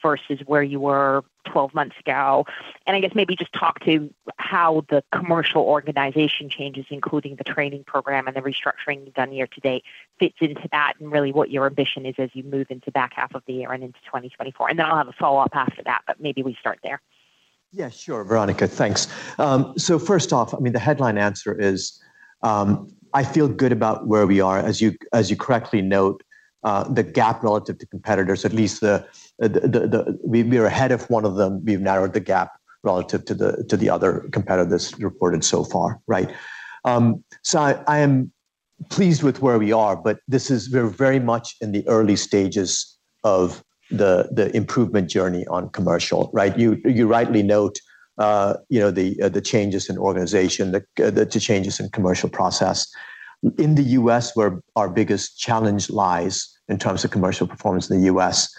versus where you were twelve months ago? I guess maybe just talk to how the commercial organization changes, including the training program and the restructuring you've done year to date, fits into that, and really what your ambition is as you move into back half of the year and into 2024. Then I'll have a follow-up after that, but maybe we start there. Sure, Veronica. Thanks. First off, I mean, the headline answer is, I feel good about where we are. As you, as you correctly note, the gap relative to competitors, at least the, the, the, we're ahead of one of them. We've narrowed the gap relative to the, to the other competitors reported so far, right? I, I am pleased with where we are, but this is. We're very much in the early stages of the, the improvement journey on commercial, right? You, you rightly note, you know, the, the changes in organization, the, the, the changes in commercial process. In the US, where our biggest challenge lies in terms of commercial performance in the US,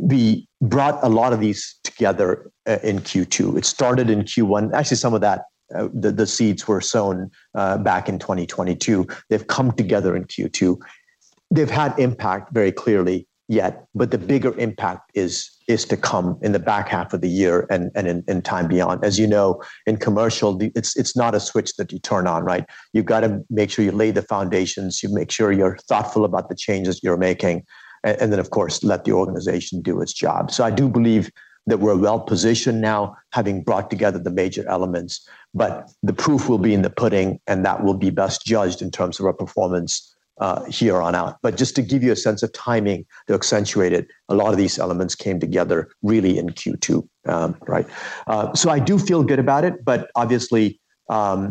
we brought a lot of these together, in Q2. It started in Q1. Actually, some of that, the, the seeds were sown back in 2022. They've come together in Q2. They've had impact very clearly yet, but the bigger impact is, is to come in the back half of the year and, and in, and time beyond. As you know, in commercial, it's, it's not a switch that you turn on, right? You've got to make sure you lay the foundations, you make sure you're thoughtful about the changes you're making, and then, of course, let the organization do its job. I do believe that we're well-positioned now, having brought together the major elements, but the proof will be in the pudding, and that will be best judged in terms of our performance here on out. Just to give you a sense of timing, to accentuate it, a lot of these elements came together really in Q2, right? So I do feel good about it, but obviously, you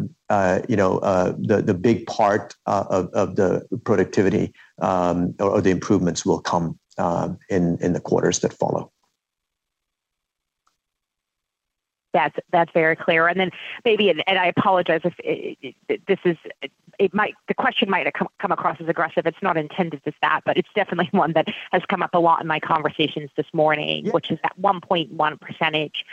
know, the big part of the productivity or the improvements will come in the quarters that follow. That's, that's very clear. Then maybe, and I apologize if, this is, the question might have come across as aggressive. It's not intended as that, but it's definitely one that has come up a lot in my conversations this morning. Yeah... which is that 1.1 percentage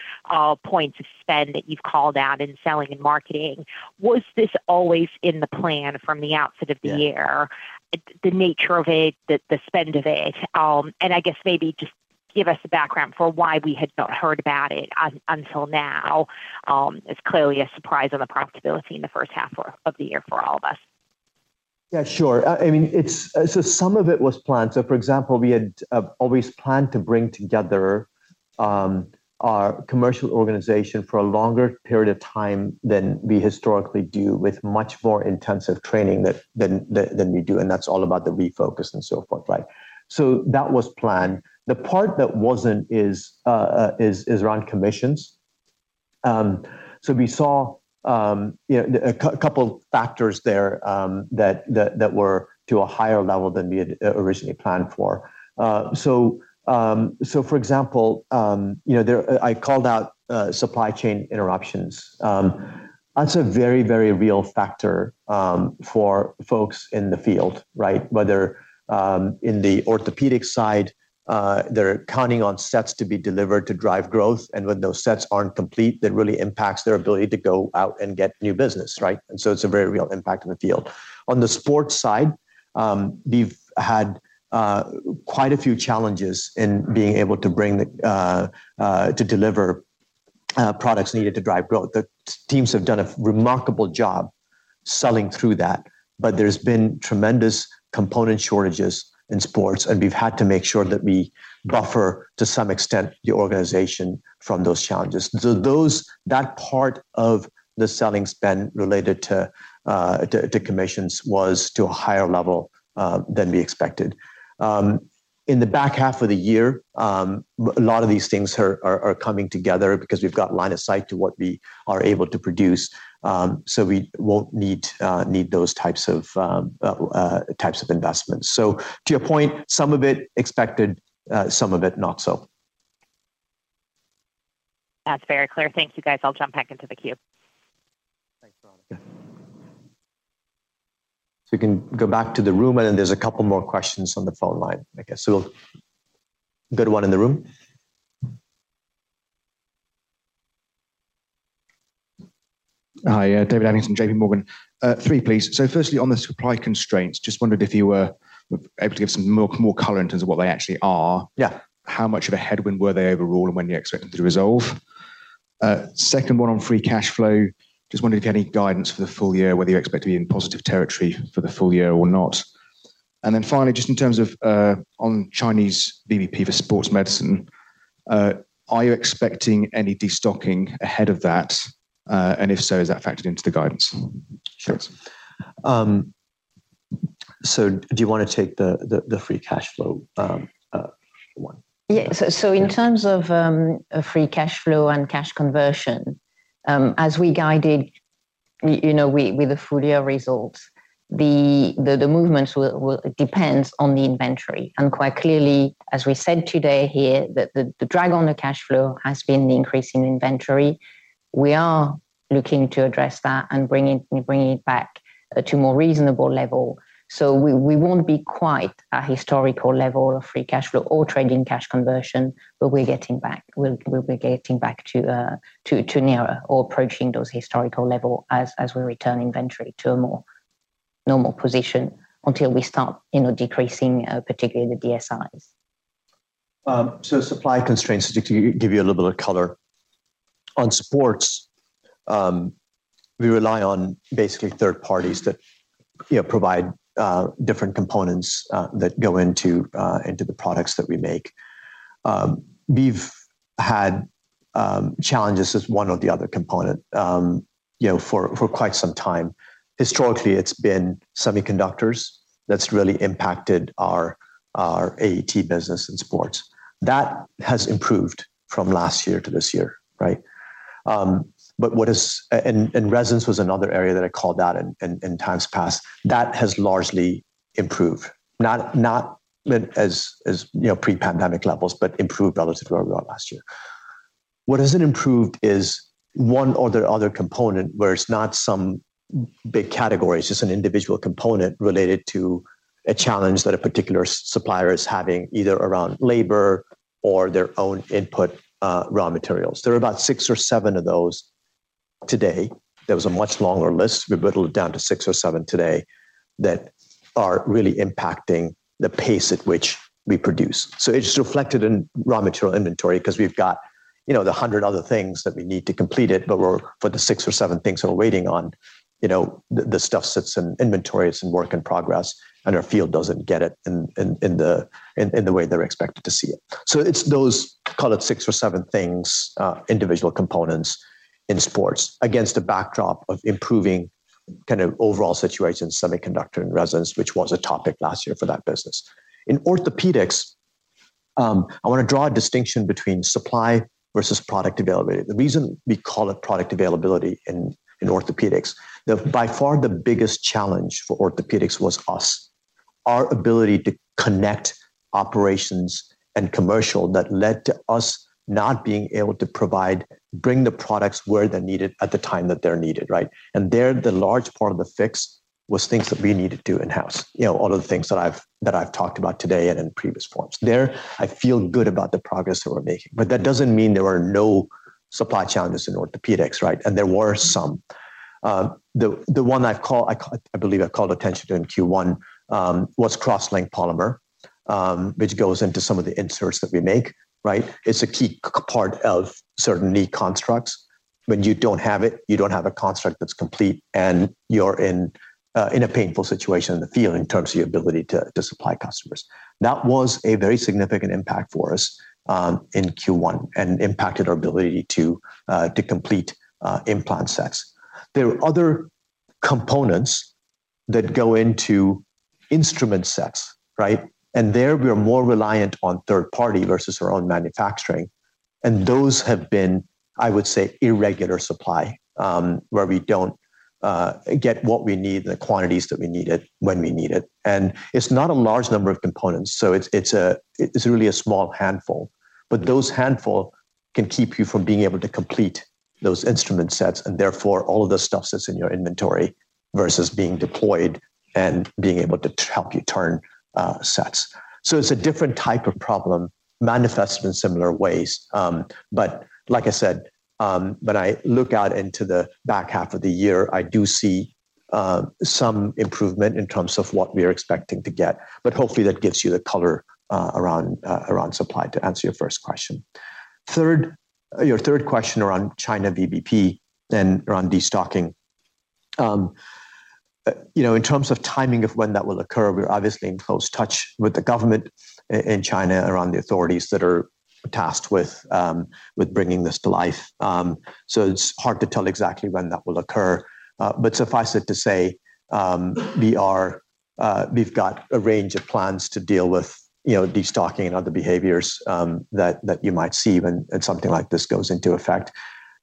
points of spend that you've called out in selling and marketing. Was this always in the plan from the outset of the year? Yeah. The nature of it, the, the spend of it, and I guess maybe just give us a background for why we had not heard about it until now. It's clearly a surprise on the profitability in the first half of, of the year for all of us. Yeah, sure. I mean, it's so some of it was planned. For example, we had always planned to bring together our commercial organization for a longer period of time than we historically do, with much more intensive training that, than we do, and that's all about the refocus and so forth, right? That was planned. The part that wasn't is around commissions. We saw, you know, a couple factors there, that, that were to a higher level than we had originally planned for. For example, you know, there, I called out supply chain interruptions. That's a very, very real factor, for folks in the field, right? Whether in the orthopedics side, they're counting on sets to be delivered to drive growth, and when those sets aren't complete, that really impacts their ability to go out and get new business, right? It's a very real impact in the field. On the sports medicine side, we've had quite a few challenges in being able to bring the to deliver products needed to drive growth. The teams have done a remarkable job selling through that, but there's been tremendous component shortages in sports medicine, and we've had to make sure that we buffer, to some extent, the organization from those challenges. That part of the selling spend related to commissions was to a higher level than we expected. In the back half of the year, a lot of these things are, are, are coming together because we've got line of sight to what we are able to produce, so we won't need, need those types of, types of investments. To your point, some of it expected, some of it not so. That's very clear. Thank you, guys. I'll jump back into the queue. Thanks, Veronica. You can go back to the room, and then there's a couple more questions on the phone line, I guess. Go to one in the room. Hi, David Evanson, JP Morgan. 3, please. Firstly, on the supply constraints, just wondered if you were able to give some more, more color in terms of what they actually are? Yeah. How much of a headwind were they overall, and when do you expect them to resolve? Second one on free cash flow. Just wondering if you have any guidance for the full year, whether you expect to be in positive territory for the full year or not. Finally, just in terms of, on Chinese BJP for sports medicine, are you expecting any destocking ahead of that? If so, is that factored into the guidance? Sure. Do you want to take the, the, the free cash flow, one? Yeah. In terms of free cash flow and cash conversion, as we guided, we, you know, we, with the full year results, the, the, the movements will depends on the inventory. Quite clearly, as we said today here, that the, the drag on the cash flow has been the increase in inventory. We are looking to address that and bringing it back to more reasonable level. We, we won't be quite at historical level of free cash flow or trading cash conversion, but we're getting back. We'll, we'll be getting back to nearer or approaching those historical level as, as we return inventory to a more normal position until we start, you know, decreasing, particularly the DSIs. Supply constraints, just to give you a little bit of color. On sports, we rely on basically third parties to, you know, provide different components that go into the products that we make. We've had challenges as one or the other component, you know, for, for quite some time. Historically, it's been semiconductors that's really impacted our, our AET business in sports. That has improved from last year to this year, right? Residence was another area that I called out in times past. That has largely improved, not as, you know, pre-pandemic levels, but improved relatively where we were last year. What hasn't improved is one or the other component, where it's not some big category, it's just an individual component related to a challenge that a particular supplier is having, either around labor or their own input, raw materials. There are about six or seven of those today. There was a much longer list. We whittled it down to six or seven today that are really impacting the pace at which we produce. It's just reflected in raw material inventory because we've got, you know, the 100 other things that we need to complete it, but we're, for the six or seven things that we're waiting on, you know, the stuff sits in inventory, it's in work in progress, and our field doesn't get it in the way they're expected to see it. It's those, call it 6 or 7 things, individual components in sports, against a backdrop of improving kind of overall situation, semiconductor and residence, which was a topic last year for that business. In orthopedics, I want to draw a distinction between supply versus product availability. The reason we call it product availability in, in orthopedics, the by far the biggest challenge for orthopedics was US. Our ability to connect operations and commercial that led to us not being able to provide, bring the products where they're needed at the time that they're needed, right? There, the large part of the fix was things that we needed to do in-house. You know, all of the things that I've, that I've talked about today and in previous forms. There, I feel good about the progress that we're making, but that doesn't mean there were no supply challenges in orthopedics, right? There were some. The, the one I've called, I believe I called attention to in Q1, was cross-linked polymer, which goes into some of the inserts that we make, right? It's a key part of certain knee constructs. When you don't have it, you don't have a construct that's complete, and you're in a painful situation in the field in terms of your ability to, to supply customers. That was a very significant impact for us in Q1 and impacted our ability to complete implant sets. There are other components that go into instrument sets, right? There, we are more reliant on third party versus our own manufacturing. Those have been, I would say, irregular supply, where we get what we need, the quantities that we need it, when we need it. It's not a large number of components, so it's, it's a, it's really a small handful. Those handful can keep you from being able to complete those instrument sets, and therefore, all of the stuff that's in your inventory versus being deployed and being able to help you turn sets. It's a different type of problem, manifested in similar ways. Like I said, when I look out into the back half of the year, I do see some improvement in terms of what we are expecting to get, hopefully that gives you the color around around supply, to answer your first question. Third, your third question around China VBP and around destocking. you know, in terms of timing of when that will occur, we're obviously in close touch with the government in China, around the authorities that are tasked with, with bringing this to life. It's hard to tell exactly when that will occur. Suffice it to say, we are-- we've got a range of plans to deal with, you know, destocking and other behaviors, that, that you might see when, when something like this goes into effect.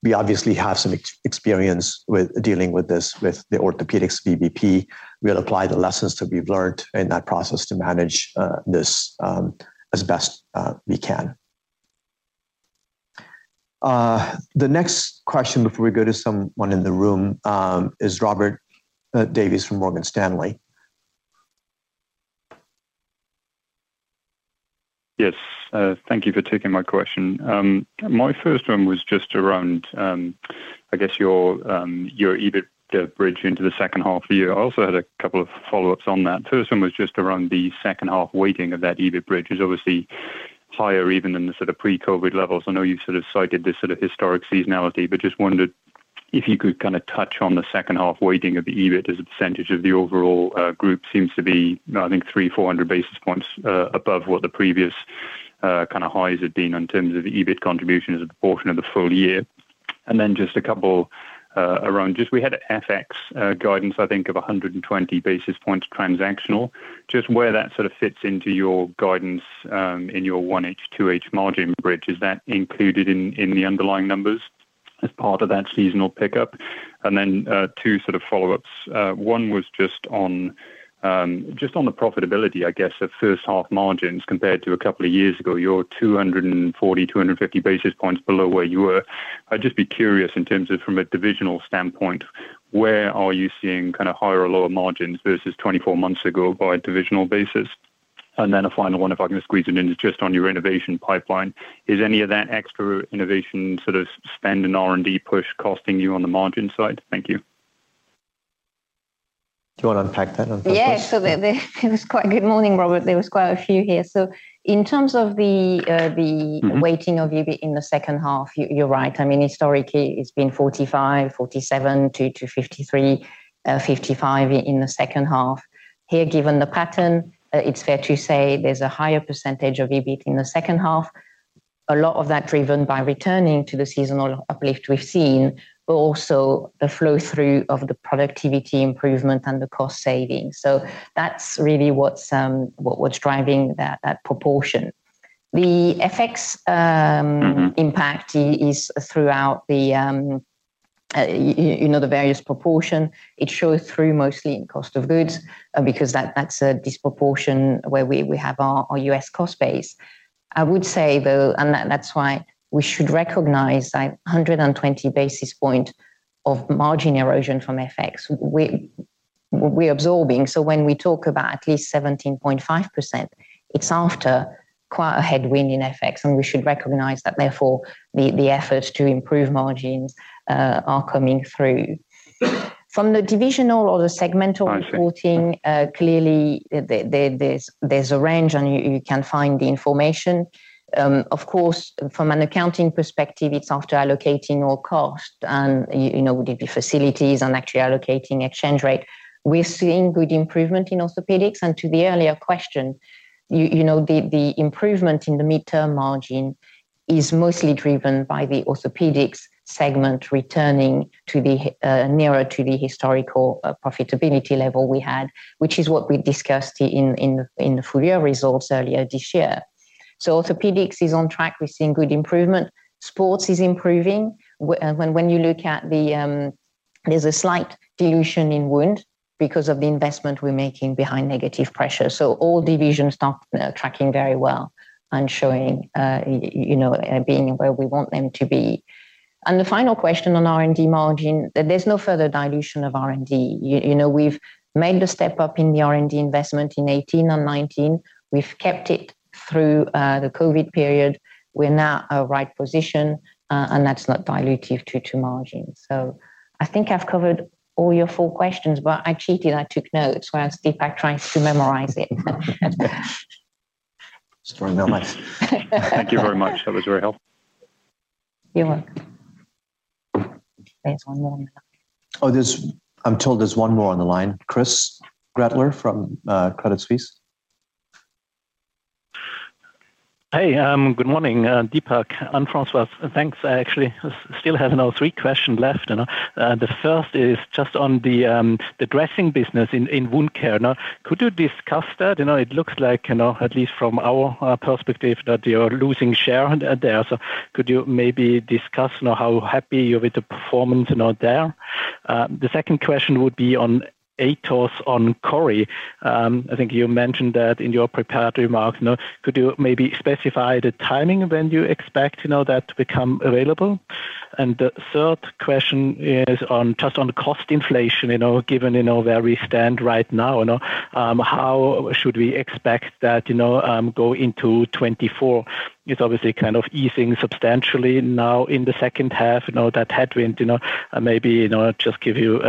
We obviously have some experience with dealing with this, with the orthopedics VBP. We'll apply the lessons that we've learned in that process to manage, this, as best we can. The next question, before we go to someone in the room, is Robert Davies from Morgan Stanley. Yes, thank you for taking my question. My first one was just around, I guess your EBIT bridge into the second half of the year. I also had a couple of follow-ups on that. First one was just around the second half weighting of that EBIT bridge is obviously higher even than the sort of pre-COVID levels. I know you sort of cited this sort of historic seasonality, but just wondered if you could kind of touch on the second half weighting of the EBIT as a percentage of the overall group seems to be, I think, 300-400 basis points above what the previous kind of highs had been in terms of the EBIT contribution as a proportion of the full year. Just a couple, around just we had an FX, guidance, I think, of 120 basis points transactional. Just where that sort of fits into your guidance, in your H1, H2 margin bridge. Is that included in, in the underlying numbers as part of that seasonal pickup? Two sort of follow-ups. One was just on, just on the profitability, I guess, of first half margins compared to a couple of years ago, you're 240, 250 basis points below where you were. I'd just be curious, in terms of from a divisional standpoint, where are you seeing kind of higher or lower margins versus 24 months ago by a divisional basis? A final one, if I can just squeeze it in, is just on your innovation pipeline. Is any of that extra innovation sort of spend in R&D push costing you on the margin side? Thank you. Do you want to unpack that on purpose? Yeah. there, there, it was quite... Good morning, Robert. There was quite a few here. In terms of the, the- Mm-hmm. weighting of EBIT in the second half, you're, you're right. I mean, historically, it's been 45%-47% to 53%-55% in the second half. Here, given the pattern, it's fair to say there's a higher % of EBIT in the second half. A lot of that driven by returning to the seasonal uplift we've seen, but also the flow-through of the productivity improvement and the cost savings. That's really what's, what, what's driving that, that proportion. The FX. Mm-hmm... impact is throughout the, you know, the various proportion. It shows through mostly in cost of goods, because that's a disproportion where we, we have our, our U.S. cost base. I would say, though, and that's why we should recognize that 120 basis points of margin erosion from FX, we, we're absorbing. When we talk about at least 17.5%, it's after quite a headwind in FX, and we should recognize that therefore, the, the efforts to improve margins are coming through. From the divisional or the segmental- I see. reporting. Clearly, there's a range, and you can find the information. Of course, from an accounting perspective, it's after allocating all cost and, you know, would it be facilities and actually allocating exchange rate. We're seeing good improvement in orthopedics. To the earlier question, you know, the improvement in the midterm margin is mostly driven by the orthopedics segment returning to the nearer to the historical profitability level we had, which is what we discussed in the full year results earlier this year. Orthopedics is on track. We're seeing good improvement. Sports is improving. When you look at the, there's a slight dilution in wound because of the investment we're making behind negative pressure. All divisions are tracking very well and showing, you know, being where we want them to be. The final question on R&D margin, there's no further dilution of R&D. You, you know, we've made the step up in the R&D investment in 2018 and 2019. We've kept it through the COVID period. We're now at a right position, and that's not dilutive to margin. I think I've covered all your four questions, but I cheated. I took notes, whereas Deepak trying to memorize it. Store your notes. Thank you very much. That was very helpful. You're welcome. There's one more. Oh, there's... I'm told there's one more on the line. Chris Graetzer from Credit Suisse. Hey, good morning, Deepak and Francois. Thanks. I actually still have now 3 question left, you know. The first is just on the, the dressing business in, in wound care. Could you discuss that? You know, it looks like, you know, at least from our perspective, that you're losing share there. So could you maybe discuss, you know, how happy you're with the performance, you know, there? The second question would be on ATOS on CORI. I think you mentioned that in your prepared remarks. Could you maybe specify the timing when you expect, you know, that to become available? The third question is on just on the cost inflation, you know, given, you know, where we stand right now, you know, how should we expect that, you know, go into 2024? It's obviously kind of easing substantially now in the second half, you know, that headwind, you know, maybe, you know, just give you,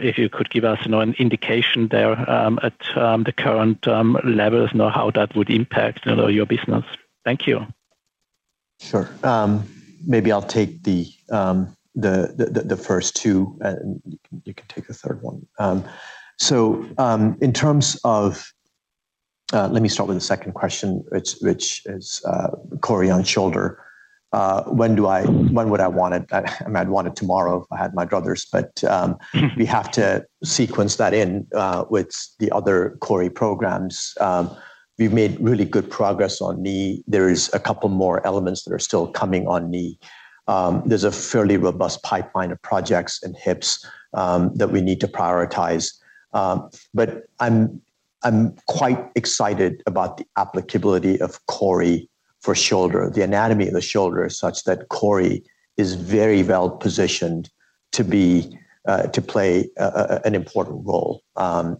if you could give us, you know, an indication there, at the current levels, you know, how that would impact, you know, your business. Thank you. Sure. Maybe I'll take the first two, and you can take the third one. In terms of, let me start with the second question, which is CORI on shoulder. When would I want it? I'd want it tomorrow if I had my druthers. We have to sequence that in with the other CORI programs. We've made really good progress on knee. There's a couple more elements that are still coming on knee. There's a fairly robust pipeline of projects in hips that we need to prioritize. I'm quite excited about the applicability of CORI for shoulder. The anatomy of the shoulder is such that CORI is very well positioned to be to play an important role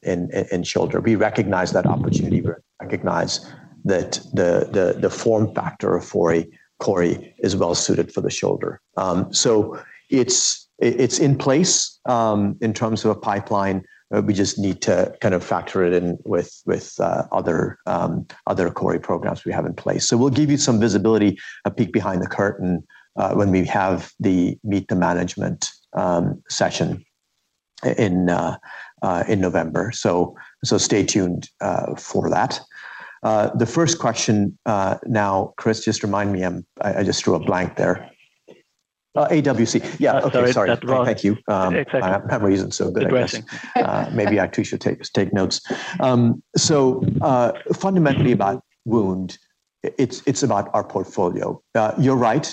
in shoulder. We recognize that opportunity. We recognize that the, the, the form factor for a CORI is well suited for the shoulder. It's, it, it's in place, in terms of a pipeline, we just need to kind of factor it in with, with other, other CORI programs we have in place. We'll give you some visibility, a peek behind the curtain, when we have the meet the management session in November. So stay tuned for that. The first question, now, Chris, just remind me. I, I just drew a blank there. AWC. Yeah. Okay, sorry. That's right. Thank you. Exactly. I haven't reasoned so good, I guess. Maybe I actually should take, take notes. Fundamentally about wound, it's, it's about our portfolio. You're right.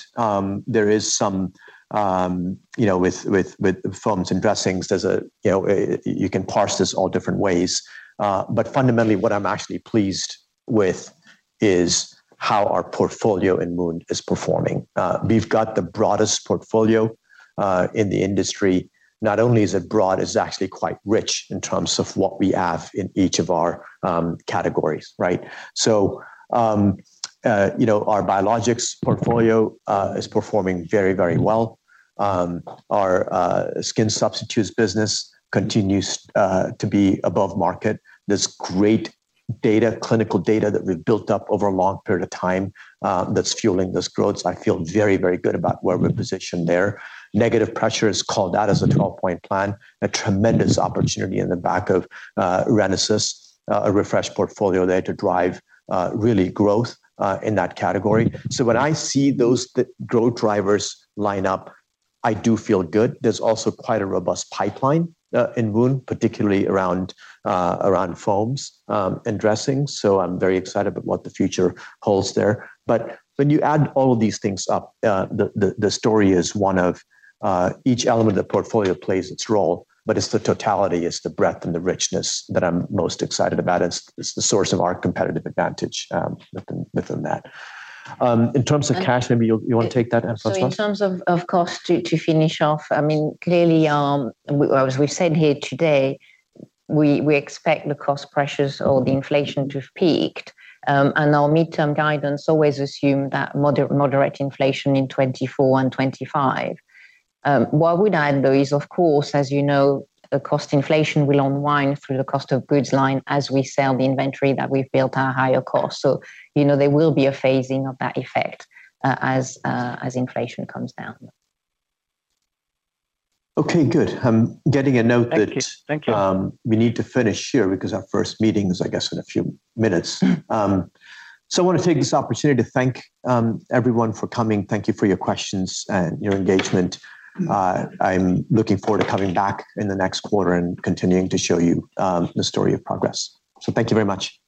There is some, you know, with, with, with foams and dressings, there's a, you know, you can parse this all different ways. But fundamentally, what I'm actually pleased with is how our portfolio in wound is performing. We've got the broadest portfolio in the industry. Not only is it broad, it's actually quite rich in terms of what we have in each of our categories, right? So, you know, our biologics portfolio is performing very, very well. Our skin substitutes business continues to be above market. There's great data, clinical data that we've built up over a long period of time, that's fueling this growth. I feel very, very good about where we're positioned there. Negative pressure is called out as a 12-point plan, a tremendous opportunity in the back of Renesis, a refreshed portfolio there to drive really growth in that category. When I see those, the growth drivers line up, I do feel good. There's also quite a robust pipeline in wound, particularly around around foams, and dressings, so I'm very excited about what the future holds there. When you add all of these things up, the, the, the story is one of each element of the portfolio plays its role, but it's the totality, it's the breadth and the richness that I'm most excited about. It's, it's the source of our competitive advantage, within, within that. In terms of cash flow, you want to take that as well? In terms of, of cost to, to finish off, I mean, clearly, as we've said here today, we, we expect the cost pressures or the inflation to have peaked. Our midterm guidance always assume that moderate inflation in 24 and 25. What we'd add, though, is, of course, as you know, the cost inflation will unwind through the cost of goods line as we sell the inventory that we've built at a higher cost. You know, there will be a phasing of that effect, as inflation comes down. Okay, good. I'm getting a note that- Thank you. We need to finish here because our first meeting is, I guess, in a few minutes. I want to take this opportunity to thank everyone for coming. Thank you for your questions and your engagement. I'm looking forward to coming back in the next quarter and continuing to show you the story of progress. Thank you very much.